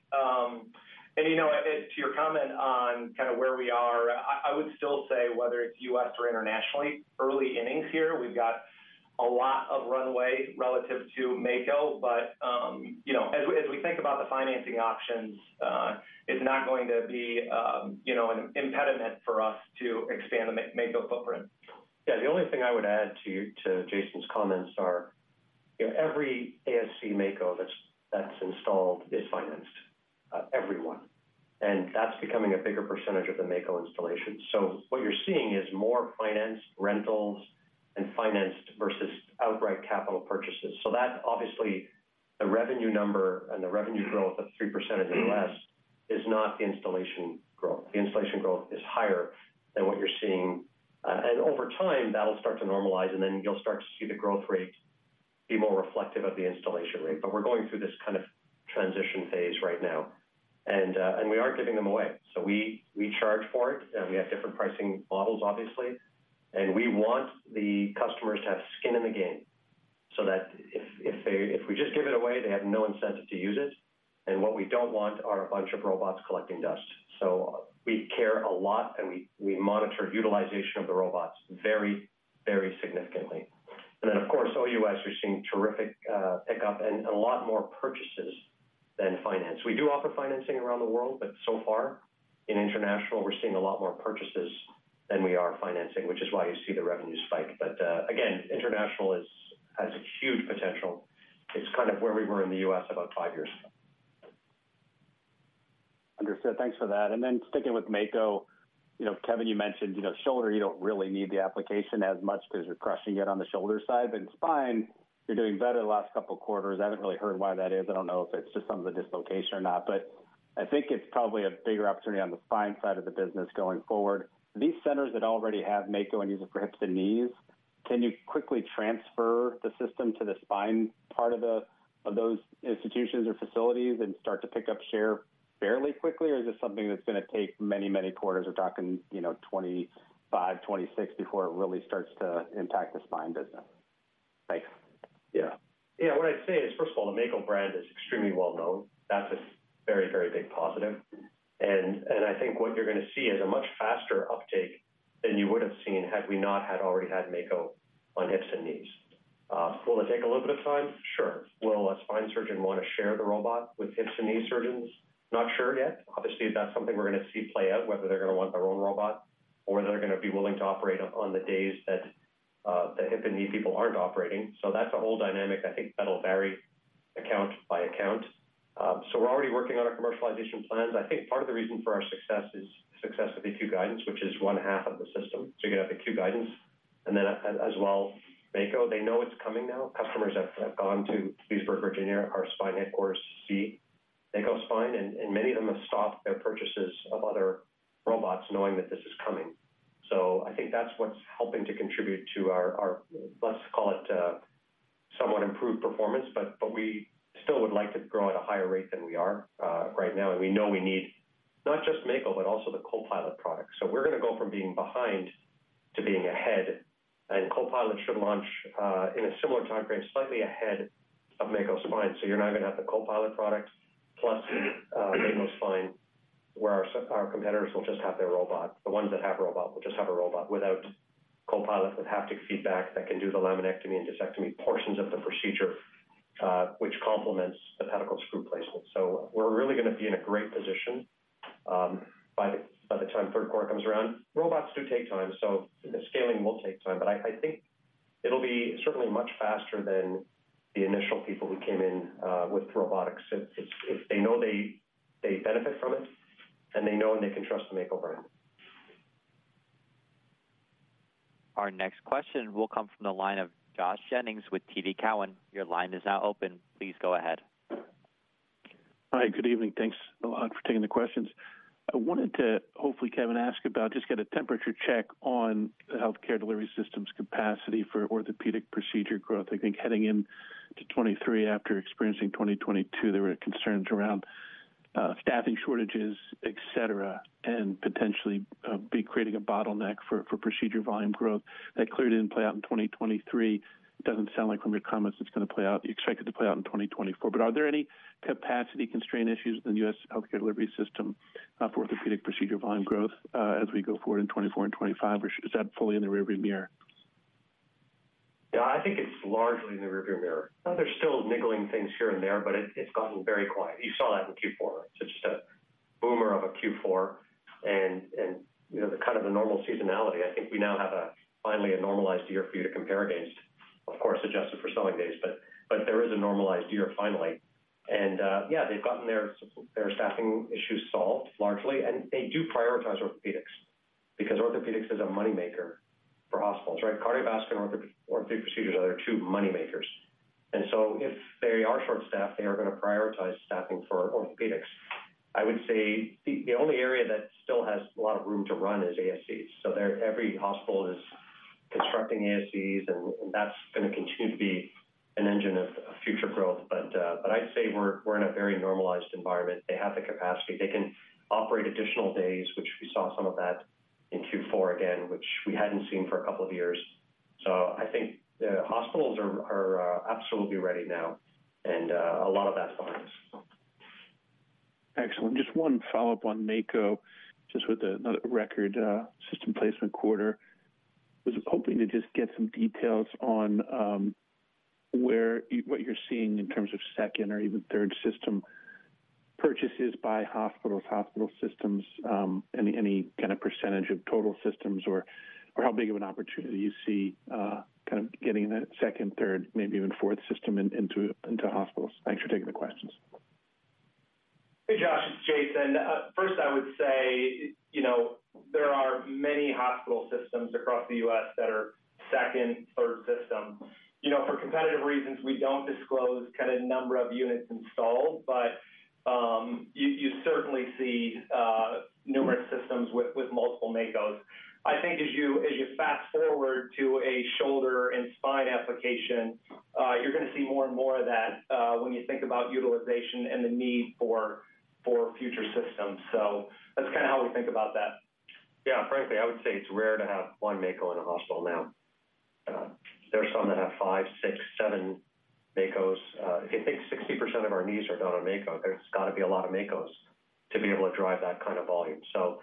[SPEAKER 4] And, you know, to your comment on kind of where we are, I would still say whether it's U.S. or internationally, early innings here, we've got a lot of runway relative to Mako, but, you know, as we think about the financing options, it's not going to be, you know, an impediment for us to expand the Mako footprint.
[SPEAKER 2] Yeah, the only thing I would add to Jason's comments are, you know, every ASC Mako that's installed is financed, every one, and that's becoming a bigger percentage of the Mako installation. So what you're seeing is more financed rentals and financed versus outright capital purchases. So that, obviously, the revenue number and the revenue growth of 3% in the U.S. is not the installation growth. The installation growth is higher than what you're seeing. And over time, that'll start to normalize, and then you'll start to see the growth rate be more reflective of the installation rate. But we're going through this kind of transition phase right now, and we aren't giving them away. So we, we charge for it, and we have different pricing models, obviously, and we want the customers to have skin in the game so that if, if they- if we just give it away, they have no incentive to use it. And what we don't want are a bunch of robots collecting dust. So we care a lot, and we, we monitor utilization of the robots very, very significantly. And then, of course, OUS, we're seeing terrific pickup and a lot more purchases than finance. We do offer financing around the world, but so far, in international, we're seeing a lot more purchases than we are financing, which is why you see the revenue spike. But again, international is as huge potential. It's kind of where we were in the U.S. about five years ago.
[SPEAKER 13] Understood. Thanks for that. And then sticking with Mako, you know, Kevin, you mentioned, you know, shoulder, you don't really need the application as much because you're crushing it on the shoulder side, but in spine, you're doing better the last couple of quarters. I haven't really heard why that is. I don't know if it's just some of the dislocation or not, but I think it's probably a bigger opportunity on the spine side of the business going forward. These centers that already have Mako and use it for hips and knees, can you quickly transfer the system to the spine part of the, those institutions or facilities and start to pick up share fairly quickly, or is this something that's going to take many, many quarters? We're talking, you know, 2025, 2026, before it really starts to impact the spine business. Thanks.
[SPEAKER 2] Yeah. Yeah, what I'd say is, first of all, the Mako brand is extremely well known. That's a very, very big positive. And I think what you're gonna see is a much faster uptake than you would have seen had we not had already had Mako on hips and knees. Will it take a little bit of time? Sure. Will a spine surgeon want to share the robot with hips and knee surgeons? Not sure yet. Obviously, that's something we're gonna see play out, whether they're gonna want their own robot or they're gonna be willing to operate on the days that the hip and knee people aren't operating. So that's a whole dynamic. I think that'll vary account by account. So we're already working on our commercialization plans. I think part of the reason for our success is success of the Q Guidance, which is one half of the system. So you have the Q Guidance and then as well, Mako, they know it's coming now. They have gone to Leesburg, Virginia, our spine headquarters, to see Mako Spine, and many of them have stopped their purchases of other robots, knowing that this is coming. So I think that's what's helping to contribute to our, let's call it, somewhat improved performance. But we still would like to grow at a higher rate than we are right now. And we know we need not just Mako, but also the Copilot product. So we're going to go from being behind to being ahead, and Copilot should launch in a similar time frame, slightly ahead of Mako Spine. So you're now going to have the Copilot product plus Mako Spine, where our competitors will just have their robot. The ones that have robot will just have a robot without Copilot, with haptic feedback that can do the laminectomy and discectomy portions of the procedure, which complements the pedicle screw placement. So we're really going to be in a great position by the time third quarter comes around. Robots do take time, so the scaling will take time, but I think it'll be certainly much faster than the initial people who came in with robotics. If they know they benefit from it, and they know and they can trust the Mako brand.
[SPEAKER 1] Our next question will come from the line of Josh Jennings with TD Cowen. Your line is now open. Please go ahead.
[SPEAKER 14] Hi, good evening. Thanks a lot for taking the questions. I wanted to hopefully, Kevin, ask about just get a temperature check on the healthcare delivery system's capacity for orthopedic procedure growth. I think heading into 2023, after experiencing 2022, there were concerns around staffing shortages, et cetera, and potentially being creating a bottleneck for procedure volume growth. That clearly didn't play out in 2023. It doesn't sound like from your comments, it's going to play out. You expect it to play out in 2024. But are there any capacity constraint issues in the U.S. healthcare delivery system for orthopedic procedure volume growth as we go forward in 2024 and 2025? Or is that fully in the rearview mirror?
[SPEAKER 2] Yeah, I think it's largely in the rearview mirror. There's still niggling things here and there, but it, it's gotten very quiet. You saw that in Q4. It's just a boomer of a Q4 and, you know, the kind of a normal seasonality. I think we now have finally a normalized year for you to compare against, of course, adjusted for selling days. But there is a normalized year finally. And yeah, they've gotten their staffing issues solved largely, and they do prioritize orthopedics because orthopedics is a moneymaker for hospitals, right? Cardiovascular and orthopedic procedures are their two moneymakers. And so if they are short-staffed, they are going to prioritize staffing for orthopedics. I would say the only area that still has a lot of room to run is ASCs. So every hospital is constructing ASCs, and that's going to continue to be an engine of future growth. But I'd say we're in a very normalized environment. They have the capacity. They can operate additional days, which we saw some of that in Q4 again, which we hadn't seen for a couple of years. So I think the hospitals are absolutely ready now, and a lot of that science.
[SPEAKER 14] Excellent. Just one follow-up on Mako. Just with another record system placement quarter, was hoping to just get some details on what you're seeing in terms of second or even third system purchases by hospitals, hospital systems, any kind of percentage of total systems or how big of an opportunity you see kind of getting that second, third, maybe even fourth system into hospitals. Thanks for taking the questions.
[SPEAKER 3] Hey, Josh, it's Jason. First, I would say, you know, there are many hospital systems across the U.S. that are second, third systems. You know, for competitive reasons, we don't disclose kind of number of units installed, but you certainly see numerous systems with multiple Makos. I think as you fast forward to a shoulder and spine application, you're going to see more and more of that, when you think about utilization and the need for future systems. So that's kind of how we think about that.
[SPEAKER 2] Yeah, frankly, I would say it's rare to have one Mako in a hospital now. There are some that have five, six, seven Makos. If you think 60% of our knees are done on Mako, there's got to be a lot of Makos to be able to drive that kind of volume. So,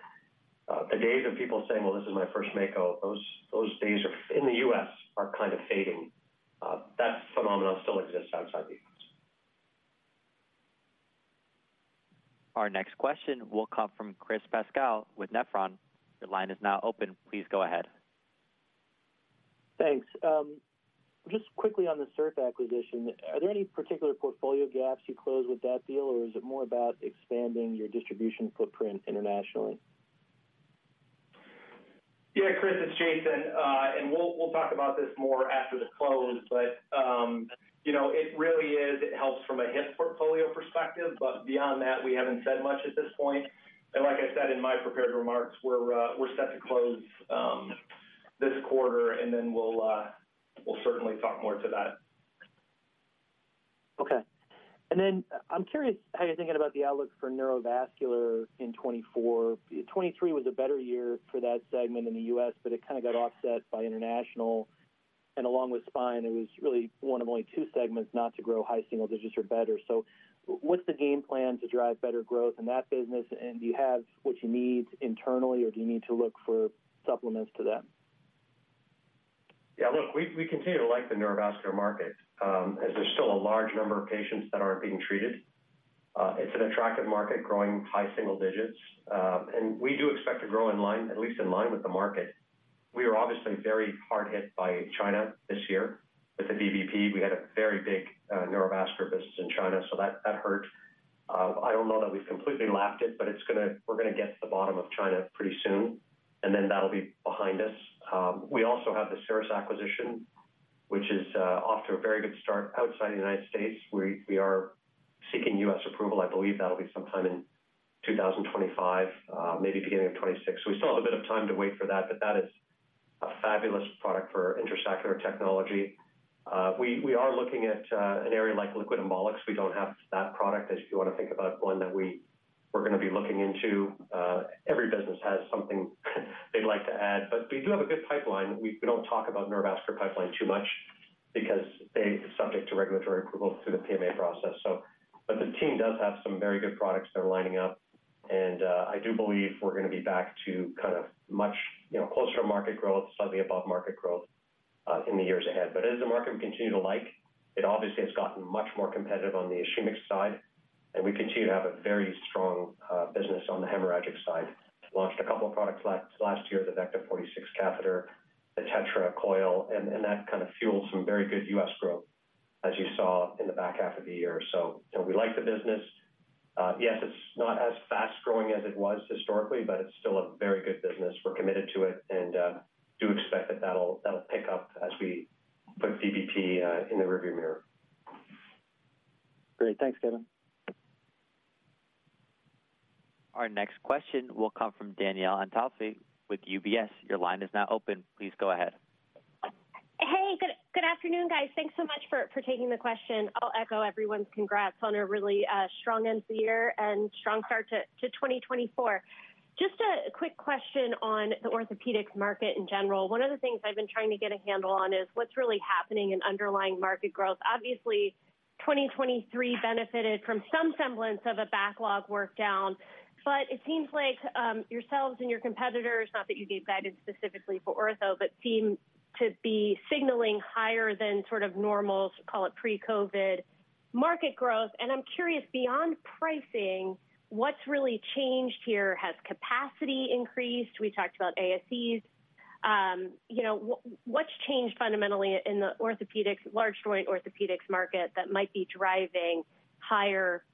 [SPEAKER 2] the days of people saying, "Well, this is my first Mako," those, those days are, in the U.S., are kind of fading. That phenomenon still exists outside the U.S.
[SPEAKER 1] Our next question will come from Chris Pasquale with Nephron. Your line is now open. Please go ahead.
[SPEAKER 15] Thanks. Just quickly on the SERF acquisition, are there any particular portfolio gaps you closed with that deal, or is it more about expanding your distribution footprint internationally?
[SPEAKER 3] Yeah, Chris, it's Jason. We'll talk about this more after the close, but you know, it really is, it helps from a hip portfolio perspective, but beyond that, we haven't said much at this point. Like I said in my prepared remarks, we're set to close this quarter, and then we'll certainly talk more to that.
[SPEAKER 15] Okay. Then I'm curious how you're thinking about the outlook for neurovascular in 2024. 2023 was a better year for that segment in the U.S., but it kind of got offset by international. Along with spine, it was really one of only two segments not to grow high single digits or better. So what's the game plan to drive better growth in that business? And do you have what you need internally, or do you need to look for supplements to that?
[SPEAKER 2] Yeah, look, we continue to like the neurovascular market, as there's still a large number of patients that aren't being treated. It's an attractive market, growing high single digits, and we do expect to grow in line, at least in line with the market. We were obviously very hard hit by China this year with the VBP. We had a very big neurovascular business in China, so that hurt. I don't know that we've completely lapped it, but it's gonna, we're gonna get to the bottom of China pretty soon, and then that'll be behind us. We also have the Cerus acquisition, which is off to a very good start outside the United States. We are seeking U.S. approval. I believe that'll be sometime in 2025, maybe beginning of 2026. So we still have a bit of time to wait for that, but that is a fabulous product for intrasaccular technology. We are looking at an area like liquid embolics. We don't have that product, if you want to think about one that we're gonna be looking into. Every business has something they'd like to add, but we do have a good pipeline. We don't talk about neurovascular pipeline too much because they're subject to regulatory approval through the PMA process. But the team does have some very good products that are lining up, and I do believe we're gonna be back to kind of much, you know, closer to market growth, slightly above market growth, in the years ahead. But it is a market we continue to like. It obviously has gotten much more competitive on the ischemic side, and we continue to have a very strong business on the hemorrhagic side. Launched a couple of products last year, the Vecta 46 catheter, the Tetra Coil, and that kind of fueled some very good US growth, as you saw in the back half of the year. So, you know, we like the business. Yes, it's not as fast-growing as it was historically, but it's still a very good business. We're committed to it and do expect that that'll pick up as we put VBP in the rearview mirror.
[SPEAKER 15] Great. Thanks, Kevin.
[SPEAKER 1] Our next question will come from Danielle Antalffy with UBS. Your line is now open. Please go ahead.
[SPEAKER 16] Hey, good, good afternoon, guys. Thanks so much for taking the question. I'll echo everyone's congrats on a really strong end to the year and strong start to 2024. Just a quick question on the orthopedics market in general. One of the things I've been trying to get a handle on is what's really happening in underlying market growth. Obviously, 2023 benefited from some semblance of a backlog workdown, but it seems like yourselves and your competitors, not that you'd be guided specifically for ortho, but seem to be signaling higher than sort of normal, call it pre-COVID market growth. And I'm curious, beyond pricing, what's really changed here? Has capacity increased? We talked about ASCs. You know, what's changed fundamentally in the orthopedics, large joint orthopedics market that might be driving higher,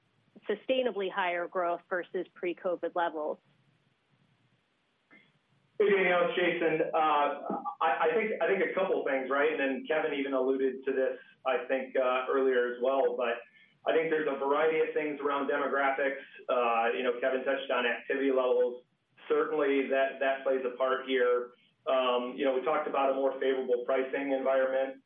[SPEAKER 16] sustainably higher growth versus pre-COVID levels?
[SPEAKER 3] Hey, Danielle, it's Jason. I think a couple of things, right? And then Kevin even alluded to this, I think earlier as well. But I think there's a variety of things around demographics. You know, Kevin touched on activity levels. Certainly, that plays a part here. You know, we talked about a more favorable pricing environment,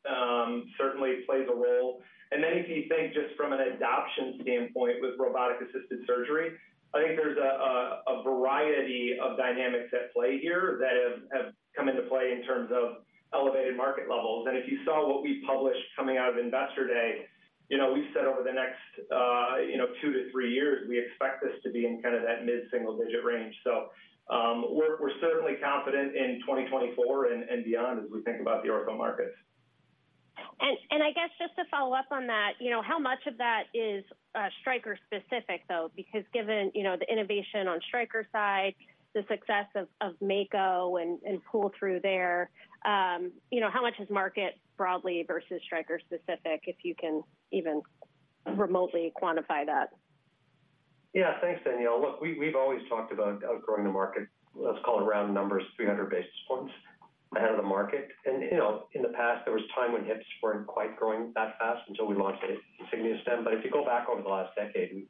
[SPEAKER 3] certainly plays a role. And then if you think just from an adoption standpoint with robotic-assisted surgery, I think there's a variety of dynamics at play here that have come into play in terms of elevated market levels. And if you saw what we published coming out of Investor Day, you know, we've said over the next two to three years, we expect this to be in kind of that mid-single digit range. So, we're certainly confident in 2024 and beyond as we think about the ortho markets.
[SPEAKER 16] I guess just to follow up on that, you know, how much of that is Stryker specific, though? Because given, you know, the innovation on Stryker's side, the success of Mako and pull through there, you know, how much is market broadly versus Stryker specific, if you can even remotely quantify that?
[SPEAKER 2] Yeah. Thanks, Danielle. Look, we've always talked about outgrowing the market, let's call it round numbers, 300 basis points ahead of the market. And, you know, in the past, there was time when hips weren't quite growing that fast until we launched Insignia Stem. But if you go back over the last decade,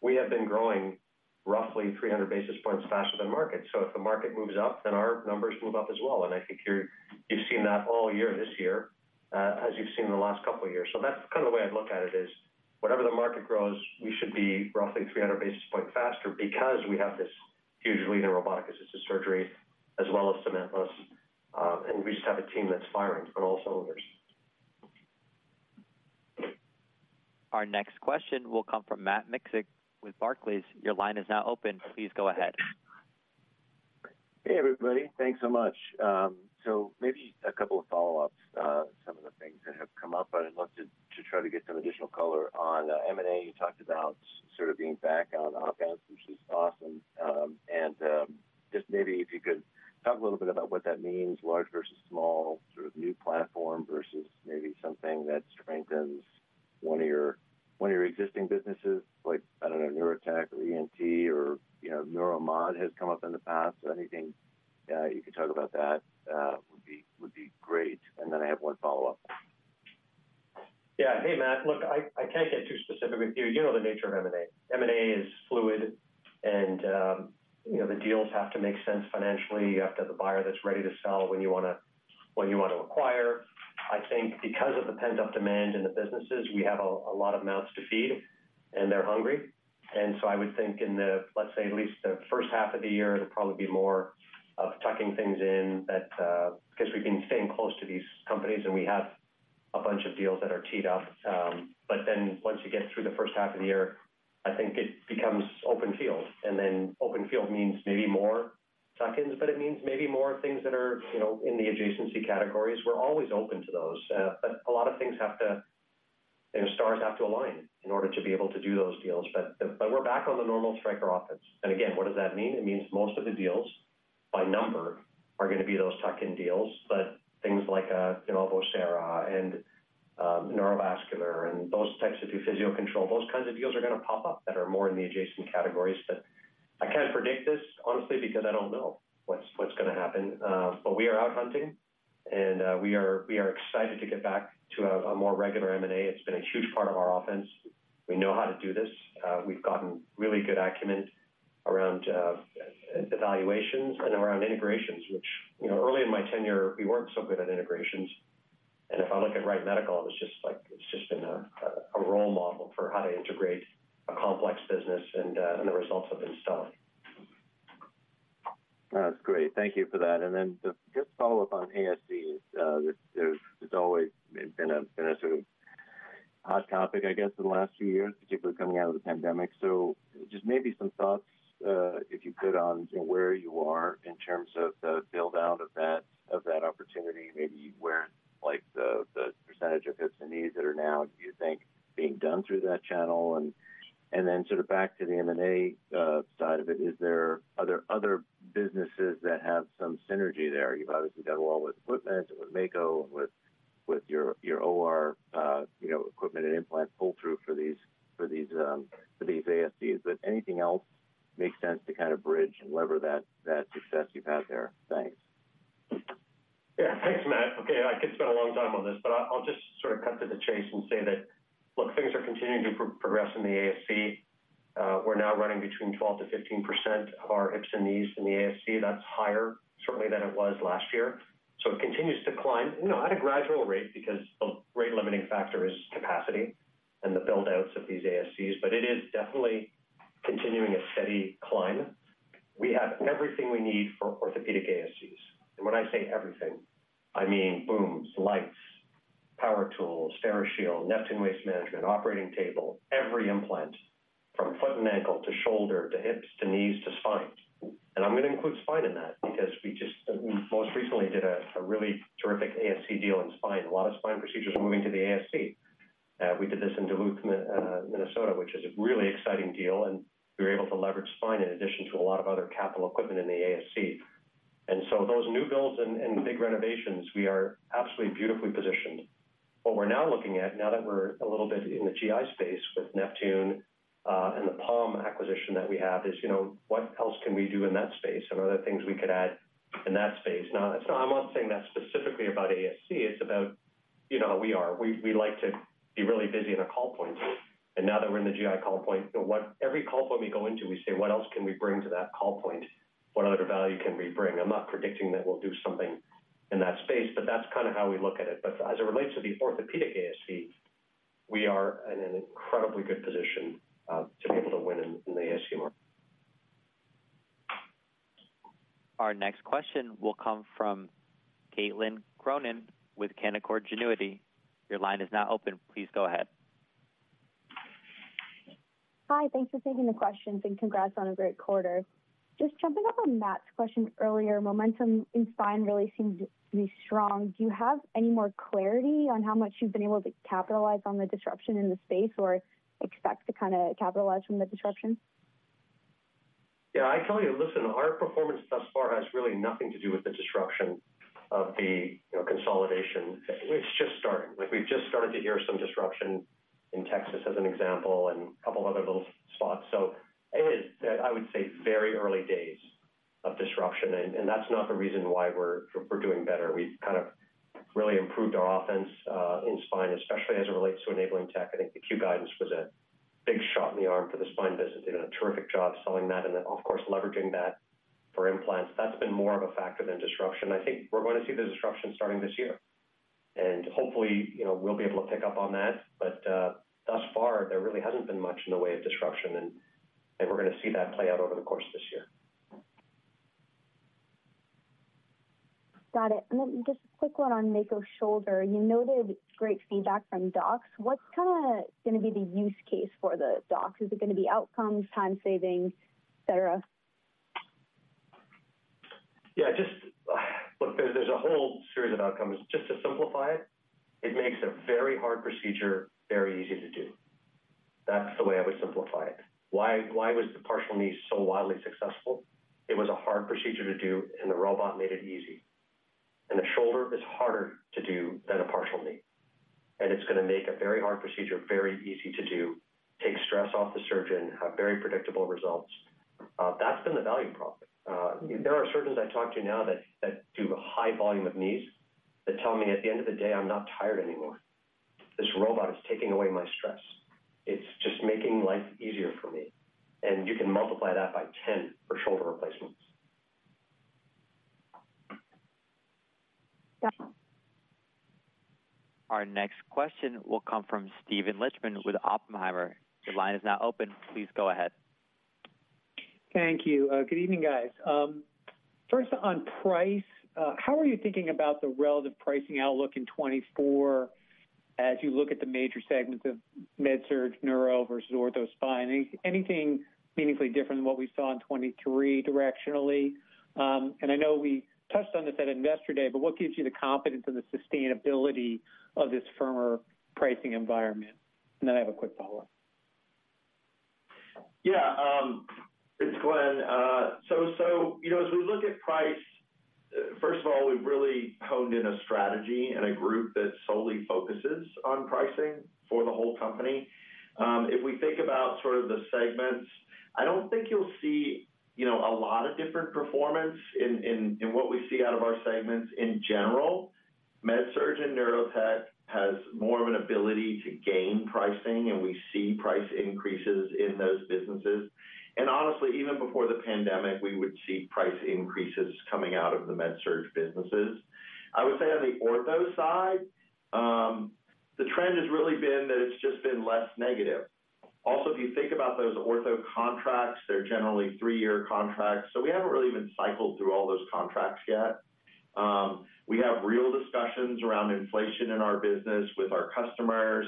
[SPEAKER 2] we have been growing roughly 300 basis points faster than market. So if the market moves up, then our numbers move up as well. And I think you've seen that all year this year, as you've seen in the last couple of years. So that's kind of the way I'd look at it, is whatever the market grows, we should be roughly 300 basis points faster because we have this huge lead in robotic-assisted surgery as well as Cementless. And we just have a team that's firing on all cylinders.
[SPEAKER 1] Our next question will come from Matt Miksic with Barclays. Your line is now open. Please go ahead.
[SPEAKER 17] Hey, everybody. Thanks so much. So maybe a couple of follow-ups, some of the things that have come up, but I'd love to, to try to get some additional color on, M&A. You talked about sort of being back on offense, which is awesome. And, just maybe if you could talk a little bit about what that means, large versus small, sort of new platform versus maybe something that strengthens one of your, one of your existing businesses, like, I don't know, Neurotech or ENT or, you know, Neuromod has come up in the past. So anything, you could talk about that, would be, would be great. And then I have one follow-up.
[SPEAKER 2] Yeah. Hey, Matt. Look, I can't get too specific with you. You know the nature of M&A. M&A is fluid, and, you know, the deals have to make sense financially. You have to have the buyer that's ready to sell when you wanna, when you want to acquire. I think because of the pent-up demand in the businesses, we have a lot of mouths to feed, and they're hungry. And so I would think in the, let's say, at least the first half of the year, it'll probably be more of tucking things in that, because we've been staying close to these companies, and we have a bunch of deals that are teed up. But then once you get through the first half of the year, I think it becomes open field. Then open field means maybe more tuck-ins, but it means maybe more things that are, you know, in the adjacency categories. We're always open to those, but a lot of things have to... You know, stars have to align in order to be able to do those deals. But we're back on the normal Stryker offense. And again, what does that mean? It means most of the deals by number are going to be those tuck-in deals, but things like, you know, Vocera and neurovascular, and those types that do Physio-Control, those kinds of deals are going to pop up that are more in the adjacent categories. But I can't predict this, honestly, because I don't know what's going to happen. But we are out hunting, and we are excited to get back to a more regular M&A. It's been a huge part of our offense. We know how to do this. We've gotten really good acumen around evaluations and around integrations, which, you know, early in my tenure, we weren't so good at integrations. And if I look at Wright Medical, it's just like, it's just been a role model for how to integrate a complex business, and the results have been stunning.
[SPEAKER 17] That's great. Thank you for that. And then just to follow up on ASC, there's always been a sort of hot topic, I guess, in the last few years, particularly coming out of the pandemic. So just maybe some thoughts, if you could, on where you are in terms of the build-out of that opportunity. Maybe where, like, the percentage of hips and knees that are now, do you think, being done through that channel? And then sort of back to the M&A side of it, are there other businesses that have some synergy there? You've obviously done well with equipment, with Mako, with your OR, you know, equipment and implant pull-through for these ASCs. Anything else makes sense to kind of bridge and lever that success you've had there? Thanks.
[SPEAKER 2] Yeah. Thanks, Matt. Okay, I could spend a long time on this, but I'll just sort of cut to the chase and say that, look, things are continuing to progress in the ASC. We're now running between 12%-15% of our hips and knees in the ASC. That's higher, certainly, than it was last year. So it continues to climb, you know, at a gradual rate because the rate-limiting factor is capacity and the build-outs of these ASCs, but it is definitely continuing a steady climb. We have everything we need for orthopedic ASCs. And when I say everything, I mean, booms, lights, power tools, Steri-Shield, Neptune Waste Management, operating table, every implant from foot and ankle to shoulder to hips, to knees to spine. I'm going to include spine in that because we just, we most recently did a really terrific ASC deal in spine. A lot of spine procedures are moving to the ASC. We did this in Duluth, Minnesota, which is a really exciting deal, and we were able to leverage spine in addition to a lot of other capital equipment in the ASC. And so those new builds and big renovations, we are absolutely beautifully positioned. What we're now looking at, now that we're a little bit in the GI space with Neptune and the Plume acquisition that we have, is, you know, what else can we do in that space? And are there things we could add in that space? Now, I'm not saying that specifically about ASC, it's about, you know, how we are. We like to be really busy in a call point. And now that we're in the GI call point, every call point we go into, we say: What else can we bring to that call point? What other value can we bring? I'm not predicting that we'll do something in that space, but that's kind of how we look at it. But as it relates to the orthopedic ASC, we are in an incredibly good position to be able to win in the ASC market.
[SPEAKER 1] Our next question will come from Caitlin Cronin with Canaccord Genuity. Your line is now open. Please go ahead.
[SPEAKER 18] Hi, thanks for taking the questions, and congrats on a great quarter. Just jumping off on Matt's question earlier, momentum in spine really seems to be strong. Do you have any more clarity on how much you've been able to capitalize on the disruption in the space or expect to kind of capitalize from the disruption?
[SPEAKER 2] Yeah, I tell you, listen, our performance thus far has really nothing to do with the disruption of the, you know, consolidation. It's just starting. Like, we've just started to hear some disruption in Texas, as an example, and a couple of other little spots. So it is, I would say, very early days of disruption, and that's not the reason why we're doing better. We've kind of really improved our offense in spine, especially as it relates to enabling tech. I think the Q Guidance was a big shot in the arm for the spine business. They've done a terrific job selling that and then, of course, leveraging that for implants. That's been more of a factor than disruption. I think we're going to see the disruption starting this year, and hopefully, you know, we'll be able to pick up on that. But, thus far, there really hasn't been much in the way of disruption, and we're going to see that play out over the course of this year.
[SPEAKER 18] Got it. And then just a quick one on Mako Shoulder. You noted great feedback from docs. What's kinda going to be the use case for the docs? Is it going to be outcomes, time savings, et cetera?
[SPEAKER 2] Yeah, just-- Look, there's a whole series of outcomes. Just to simplify it, it makes a very hard procedure very easy to do. That's the way I would simplify it. Why was the partial knee so wildly successful? It was a hard procedure to do, and the robot made it easy. And the shoulder is harder to do than a partial knee, and it's going to make a very hard procedure very easy to do, take stress off the surgeon, have very predictable results. That's been the value prop. There are surgeons I talk to now that do a high volume of knees that tell me, "At the end of the day, I'm not tired anymore. This robot is taking away my stress. It's just making life easier for me." And you can multiply that by 10 for shoulder replacements.
[SPEAKER 18] Got it.
[SPEAKER 1] Our next question will come from Steven Lichtman with Oppenheimer. Your line is now open. Please go ahead.
[SPEAKER 19] Thank you. Good evening, guys. First on price, how are you thinking about the relative pricing outlook in 2024 as you look at the major segments of MedSurg, neuro versus ortho spine? Anything meaningfully different than what we saw in 2023 directionally? And I know we touched on this at Investor Day, but what gives you the confidence in the sustainability of this firmer pricing environment? And then I have a quick follow-up....
[SPEAKER 4] Yeah, it's Glenn. So, you know, as we look at price, first of all, we've really honed in on a strategy and a group that solely focuses on pricing for the whole company. If we think about sort of the segments, I don't think you'll see, you know, a lot of different performance in what we see out of our segments in general. MedSurg and Neurotech has more of an ability to gain pricing, and we see price increases in those businesses. And honestly, even before the pandemic, we would see price increases coming out of the MedSurg businesses. I would say on the ortho side, the trend has really been that it's just been less negative. Also, if you think about those ortho contracts, they're generally three-year contracts, so we haven't really even cycled through all those contracts yet. We have real discussions around inflation in our business with our customers.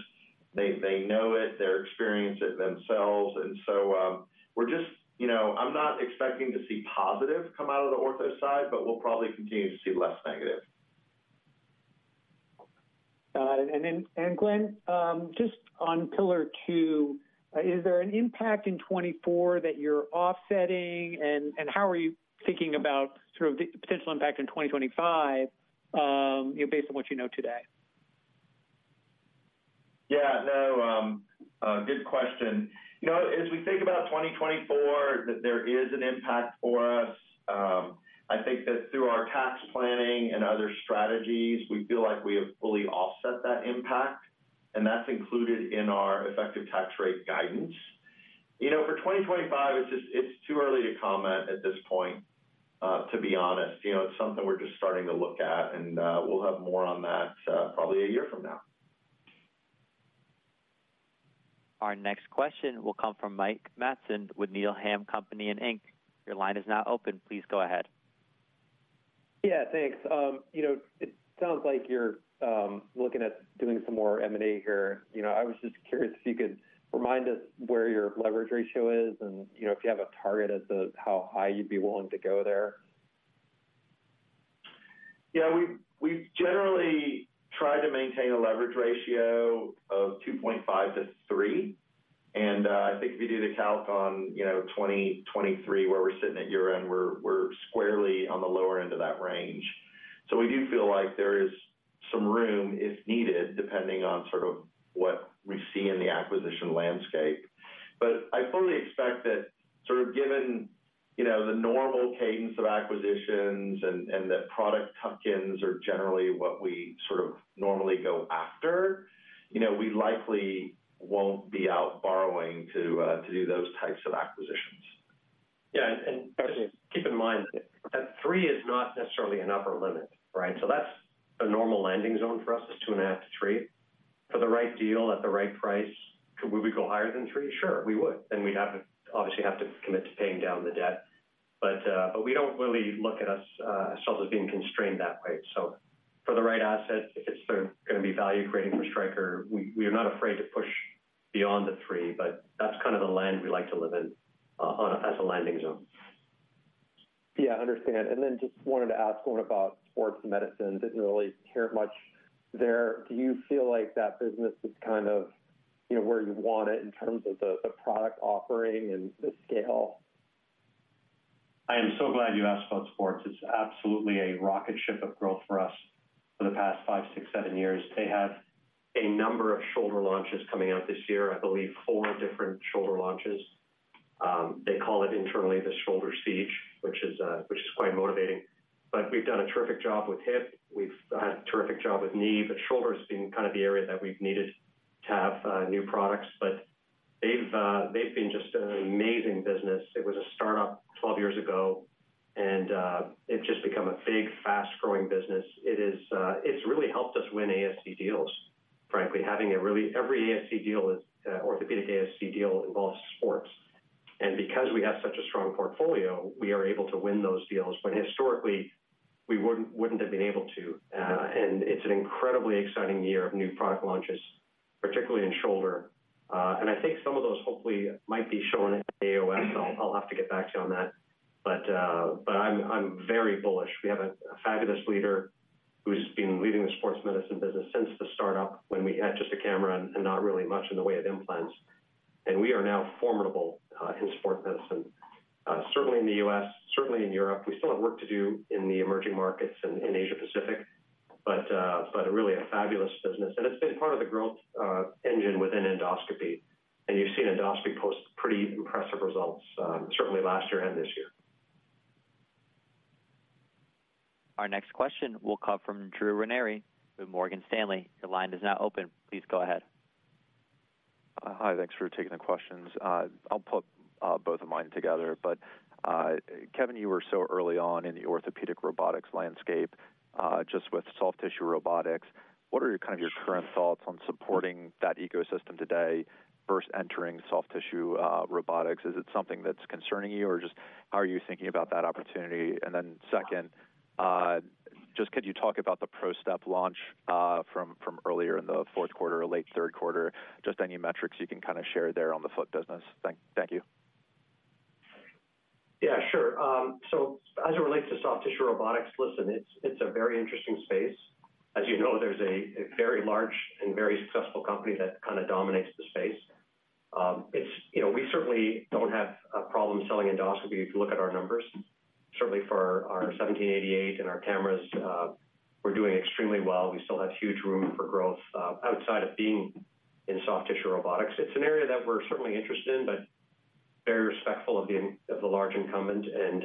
[SPEAKER 4] They, they know it. They experience it themselves. So, we're just... You know, I'm not expecting to see positive come out of the ortho side, but we'll probably continue to see less negative.
[SPEAKER 19] And then, and Glenn, just on Pillar Two, is there an impact in 2024 that you're offsetting? And, and how are you thinking about sort of the potential impact in 2025, you know, based on what you know today?
[SPEAKER 4] Yeah, no, good question. You know, as we think about 2024, that there is an impact for us, I think that through our tax planning and other strategies, we feel like we have fully offset that impact, and that's included in our effective tax rate guidance. You know, for 2025, it's just, it's too early to comment at this point, to be honest. You know, it's something we're just starting to look at, and, we'll have more on that, probably a year from now.
[SPEAKER 1] Our next question will come from Mike Matson with Needham & Company, Inc. Your line is now open. Please go ahead.
[SPEAKER 20] Yeah, thanks. You know, it sounds like you're looking at doing some more M&A here. You know, I was just curious if you could remind us where your leverage ratio is, and, you know, if you have a target as to how high you'd be willing to go there.
[SPEAKER 4] Yeah, we've generally tried to maintain a leverage ratio of 2.5-3, and I think if you do the calc on, you know, 2023, where we're sitting at year-end, we're squarely on the lower end of that range. So we do feel like there is some room, if needed, depending on sort of what we see in the acquisition landscape. But I fully expect that sort of given, you know, the normal cadence of acquisitions and that product tuck-ins are generally what we sort of normally go after, you know, we likely won't be out borrowing to do those types of acquisitions.
[SPEAKER 2] Yeah, and keep in mind, that 3 is not necessarily an upper limit, right? So that's a normal landing zone for us, is 2.5-3. For the right deal at the right price, could we go higher than 3? Sure, we would. Then we'd have to obviously have to commit to paying down the debt. But, but we don't really look at ourselves as being constrained that way. So for the right assets, if it's sort of going to be value creating for Stryker, we are not afraid to push beyond the 3, but that's kind of the land we like to live in, on a as a landing zone.
[SPEAKER 20] Yeah, I understand. Then just wanted to ask one about Sports Medicine. Didn't really hear much there. Do you feel like that business is kind of, you know, where you want it in terms of the product offering and the scale?
[SPEAKER 4] I am so glad you asked about sports. It's absolutely a rocket ship of growth for us for the past 5, 6, 7 years. They have a number of shoulder launches coming out this year, I believe 4 different shoulder launches. They call it internally, the shoulder siege, which is quite motivating. But we've done a terrific job with hip. We've done a terrific job with knee, but shoulder's been kind of the area that we've needed to have new products. But they've been just an amazing business. It was a start-up 12 years ago, and it's just become a big, fast-growing business. It is, it's really helped us win ASC deals, frankly. Having a really every ASC deal, orthopedic ASC deal involves sports. Because we have such a strong portfolio, we are able to win those deals, but historically, we wouldn't have been able to. And it's an incredibly exciting year of new product launches, particularly in shoulder. And I think some of those hopefully might be shown at AAOS. I'll have to get back to you on that. But, but I'm very bullish. We have a fabulous leader who's been leading the Sports Medicine business since the start up, when we had just a camera and not really much in the way of implants. And we are now formidable in Sports Medicine, certainly in the U.S., certainly in Europe. We still have work to do in the emerging markets and in Asia Pacific, but, but really a fabulous business. And it's been part of the growth engine within endoscopy. You've seen endoscopy post pretty impressive results, certainly last year and this year.
[SPEAKER 1] Our next question will come from Drew Ranieri with Morgan Stanley. Your line is now open. Please go ahead.
[SPEAKER 21] Hi, thanks for taking the questions. I'll put both of mine together, but, Kevin, you were so early on in the orthopedic robotics landscape, just with soft tissue robotics. What are your kind of your current thoughts on supporting that ecosystem today versus entering soft tissue robotics? Is it something that's concerning you, or just how are you thinking about that opportunity? And then second, just could you talk about the PROstep launch, from earlier in the Q4 or late Q3? Just any metrics you can kind of share there on the foot business. Thank you. ...
[SPEAKER 2] So as it relates to soft tissue robotics, listen, it's, it's a very interesting space. As you know, there's a, a very large and very successful company that kind of dominates the space. It's-- you know, we certainly don't have a problem selling endoscopy if you look at our numbers, certainly for our 1788 and our cameras, we're doing extremely well. We still have huge room for growth, outside of being in soft tissue robotics. It's an area that we're certainly interested in, but very respectful of the in- of the large incumbent, and,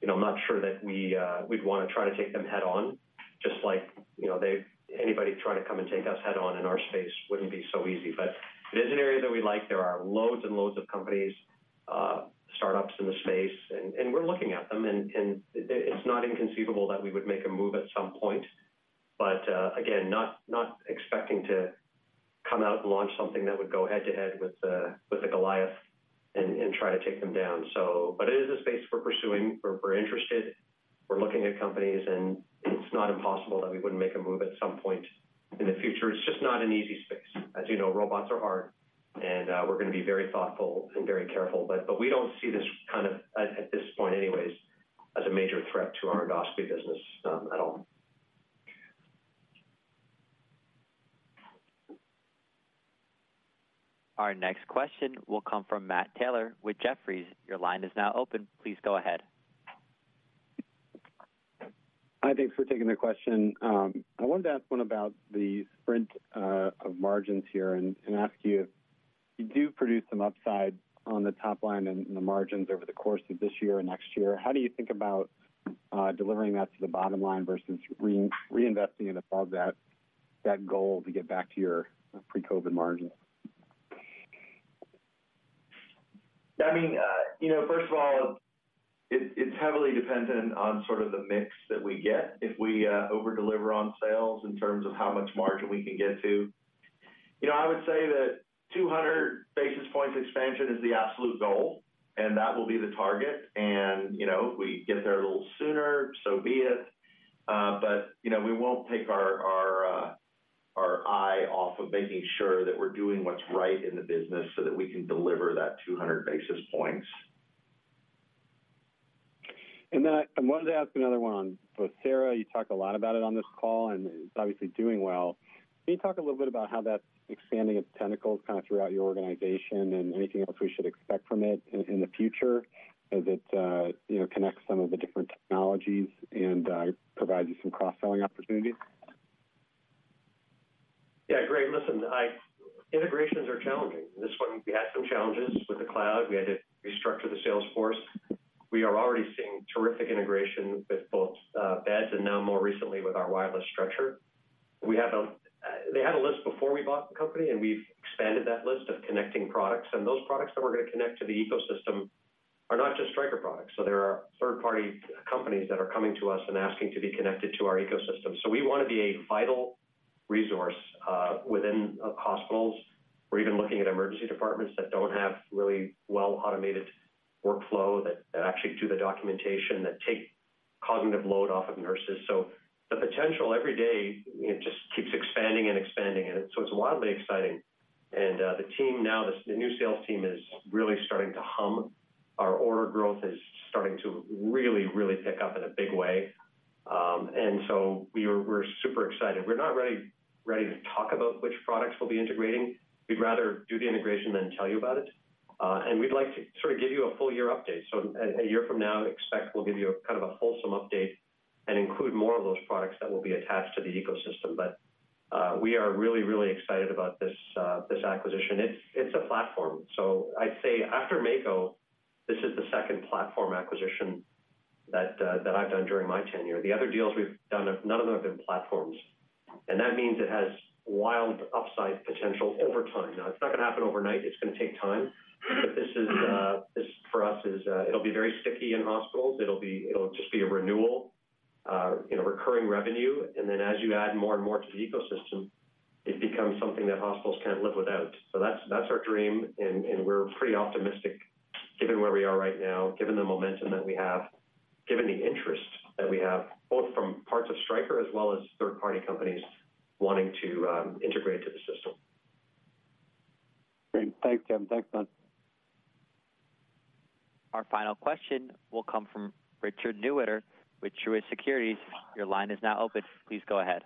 [SPEAKER 2] you know, I'm not sure that we, we'd want to try to take them head-on, just like, you know, they-- anybody trying to come and take us head-on in our space wouldn't be so easy. But it is an area that we like. There are loads and loads of companies, startups in the space, and we're looking at them, and it's not inconceivable that we would make a move at some point. But, again, not expecting to come out and launch something that would go head-to-head with the Goliath and try to take them down. So, but it is a space we're pursuing. We're interested. We're looking at companies, and it's not impossible that we wouldn't make a move at some point in the future. It's just not an easy space. As you know, robots are hard, and we're going to be very thoughtful and very careful. But we don't see this kind of, at this point anyways, as a major threat to our endoscopy business, at all.
[SPEAKER 1] Our next question will come from Matt Taylor with Jefferies. Your line is now open. Please go ahead.
[SPEAKER 22] Hi, thanks for taking the question. I wanted to ask one about the sprint of margins here and ask you if you do produce some upside on the top line and the margins over the course of this year and next year, how do you think about delivering that to the bottom line versus reinvesting it above that goal to get back to your pre-COVID margins?
[SPEAKER 2] I mean, you know, first of all, it's heavily dependent on sort of the mix that we get if we overdeliver on sales in terms of how much margin we can get to. You know, I would say that 200 basis points expansion is the absolute goal, and that will be the target, and, you know, if we get there a little sooner, so be it. But, you know, we won't take our eye off of making sure that we're doing what's right in the business so that we can deliver that 200 basis points.
[SPEAKER 22] Then I wanted to ask another one on Vocera. You talked a lot about it on this call, and it's obviously doing well. Can you talk a little bit about how that's expanding its tentacles kind of throughout your organization and anything else we should expect from it in the future as it, you know, connects some of the different technologies and provides you some cross-selling opportunities?
[SPEAKER 2] Yeah, great. Listen, integrations are challenging. This one, we had some challenges with the cloud. We had to restructure the sales force. We are already seeing terrific integration with both, beds and now more recently with our wireless structure. We have a they had a list before we bought the company, and we've expanded that list of connecting products, and those products that we're going to connect to the ecosystem are not just Stryker products. So there are third-party companies that are coming to us and asking to be connected to our ecosystem. So we want to be a vital resource, within, hospitals, or even looking at emergency departments that don't have really well-automated workflow, that actually do the documentation, that take cognitive load off of nurses. So the potential every day, it just keeps expanding and expanding, and so it's wildly exciting. The team now, the new sales team is really starting to hum. Our order growth is starting to really, really pick up in a big way. And so we're super excited. We're not ready, ready to talk about which products we'll be integrating. We'd rather do the integration than tell you about it. And we'd like to sort of give you a full year update. So a year from now, expect we'll give you a kind of a wholesome update and include more of those products that will be attached to the ecosystem. But we are really, really excited about this acquisition. It's a platform. So I'd say after Mako, this is the second platform acquisition that I've done during my tenure. The other deals we've done, none of them have been platforms, and that means it has wild upside potential over time. Now, it's not going to happen overnight. It's going to take time, but this is, this, for us, is... It'll be very sticky in hospitals. It'll be- it'll just be a renewal, you know, recurring revenue, and then as you add more and more to the ecosystem, it becomes something that hospitals can't live without. So that's, that's our dream, and, and we're pretty optimistic given where we are right now, given the momentum that we have, given the interest that we have, both from parts of Stryker as well as third-party companies wanting to, integrate to the system.
[SPEAKER 22] Great. Thanks, Jim. Thanks a lot.
[SPEAKER 1] Our final question will come from Richard Newitter with Truist Securities. Your line is now open. Please go ahead.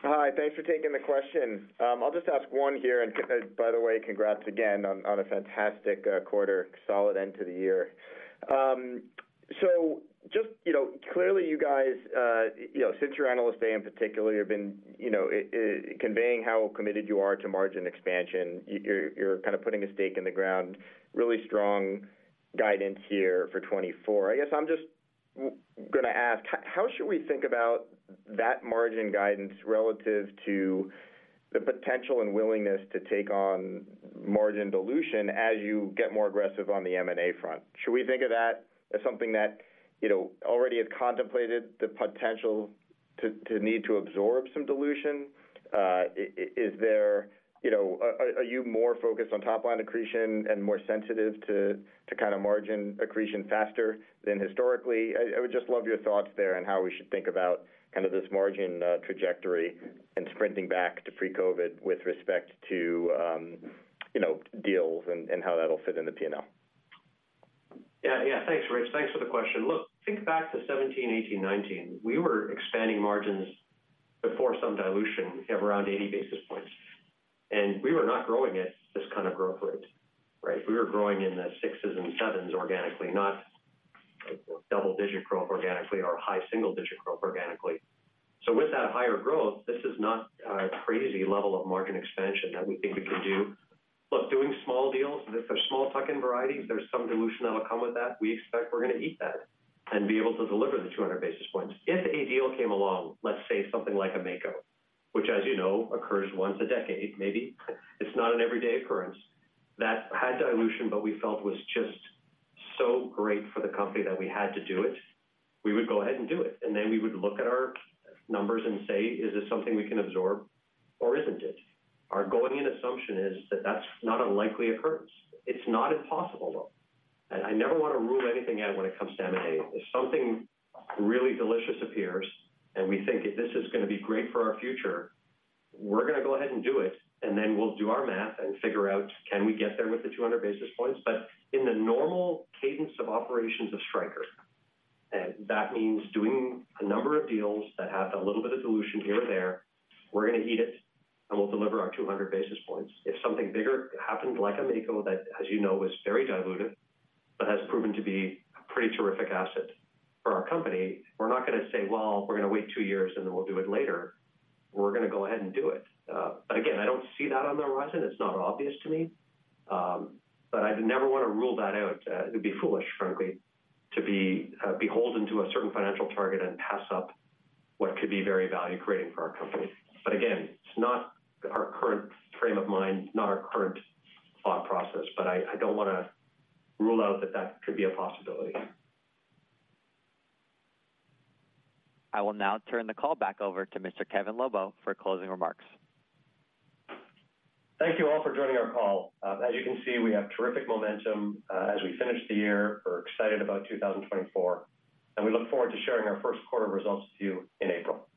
[SPEAKER 23] Hi, thanks for taking the question. I'll just ask one here, and, by the way, congrats again on, on a fantastic, quarter, solid end to the year. So just, you know, clearly you guys, you know, since your Analyst Day in particular, have been, you know, conveying how committed you are to margin expansion, you're, you're kind of putting a stake in the ground, really strong guidance here for 2024. I guess I'm just going to ask: How should we think about that margin guidance relative to the potential and willingness to take on margin dilution as you get more aggressive on the M&A front? Should we think of that as something that, you know, already has contemplated the potential to, to need to absorb some dilution? Is there, you know... Are you more focused on top line accretion and more sensitive to kind of margin accretion faster than historically? I would just love your thoughts there on how we should think about kind of this margin trajectory and sprinting back to pre-COVID with respect to, you know, deals and how that'll fit in the P&L?
[SPEAKER 2] Yeah, yeah. Thanks, Rich. Thanks for the question. Look, think back to 2017, 2018, 2019. We were expanding margins before some dilution of around 80 basis points, and we were not growing at this kind of growth rate, right? We were growing in the 6s and 7s organically, not double-digit growth organically or high single-digit growth organically. So with that higher growth, this is not a crazy level of margin expansion that we think we can do. Look, doing small deals, if they're small tuck-in varieties, there's some dilution that will come with that. We expect we're gonna eat that and be able to deliver the 200 basis points. If a deal came along, let's say something like a Mako, which, as you know, occurs once a decade, maybe, it's not an everyday occurrence. That had dilution, but we felt was just so great for the company that we had to do it, we would go ahead and do it, and then we would look at our numbers and say, "Is this something we can absorb, or isn't it?" Our going-in assumption is that that's not a likely occurrence. It's not impossible, though. And I never wanna rule anything out when it comes to M&A. If something really delicious appears and we think this is gonna be great for our future, we're gonna go ahead and do it, and then we'll do our math and figure out, can we get there with the 200 basis points? But in the normal cadence of operations of Stryker, and that means doing a number of deals that have a little bit of dilution here or there, we're gonna eat it, and we'll deliver our 200 basis points. If something bigger happened, like a Mako, that, as you know, was very diluted, but has proven to be a pretty terrific asset for our company, we're not gonna say, "Well, we're gonna wait two years, and then we'll do it later." We're gonna go ahead and do it. But again, I don't see that on the horizon. It's not obvious to me, but I'd never wanna rule that out. It'd be foolish, frankly, to be, beholden to a certain financial target and pass up what could be very value-creating for our company. But again, it's not our current frame of mind, not our current thought process, but I, I don't wanna rule out that that could be a possibility.
[SPEAKER 1] I will now turn the call back over to Mr. Kevin Lobo for closing remarks.
[SPEAKER 2] Thank you all for joining our call. As you can see, we have terrific momentum, as we finish the year. We're excited about 2024, and we look forward to sharing our first quarter results with you in April. Thank you.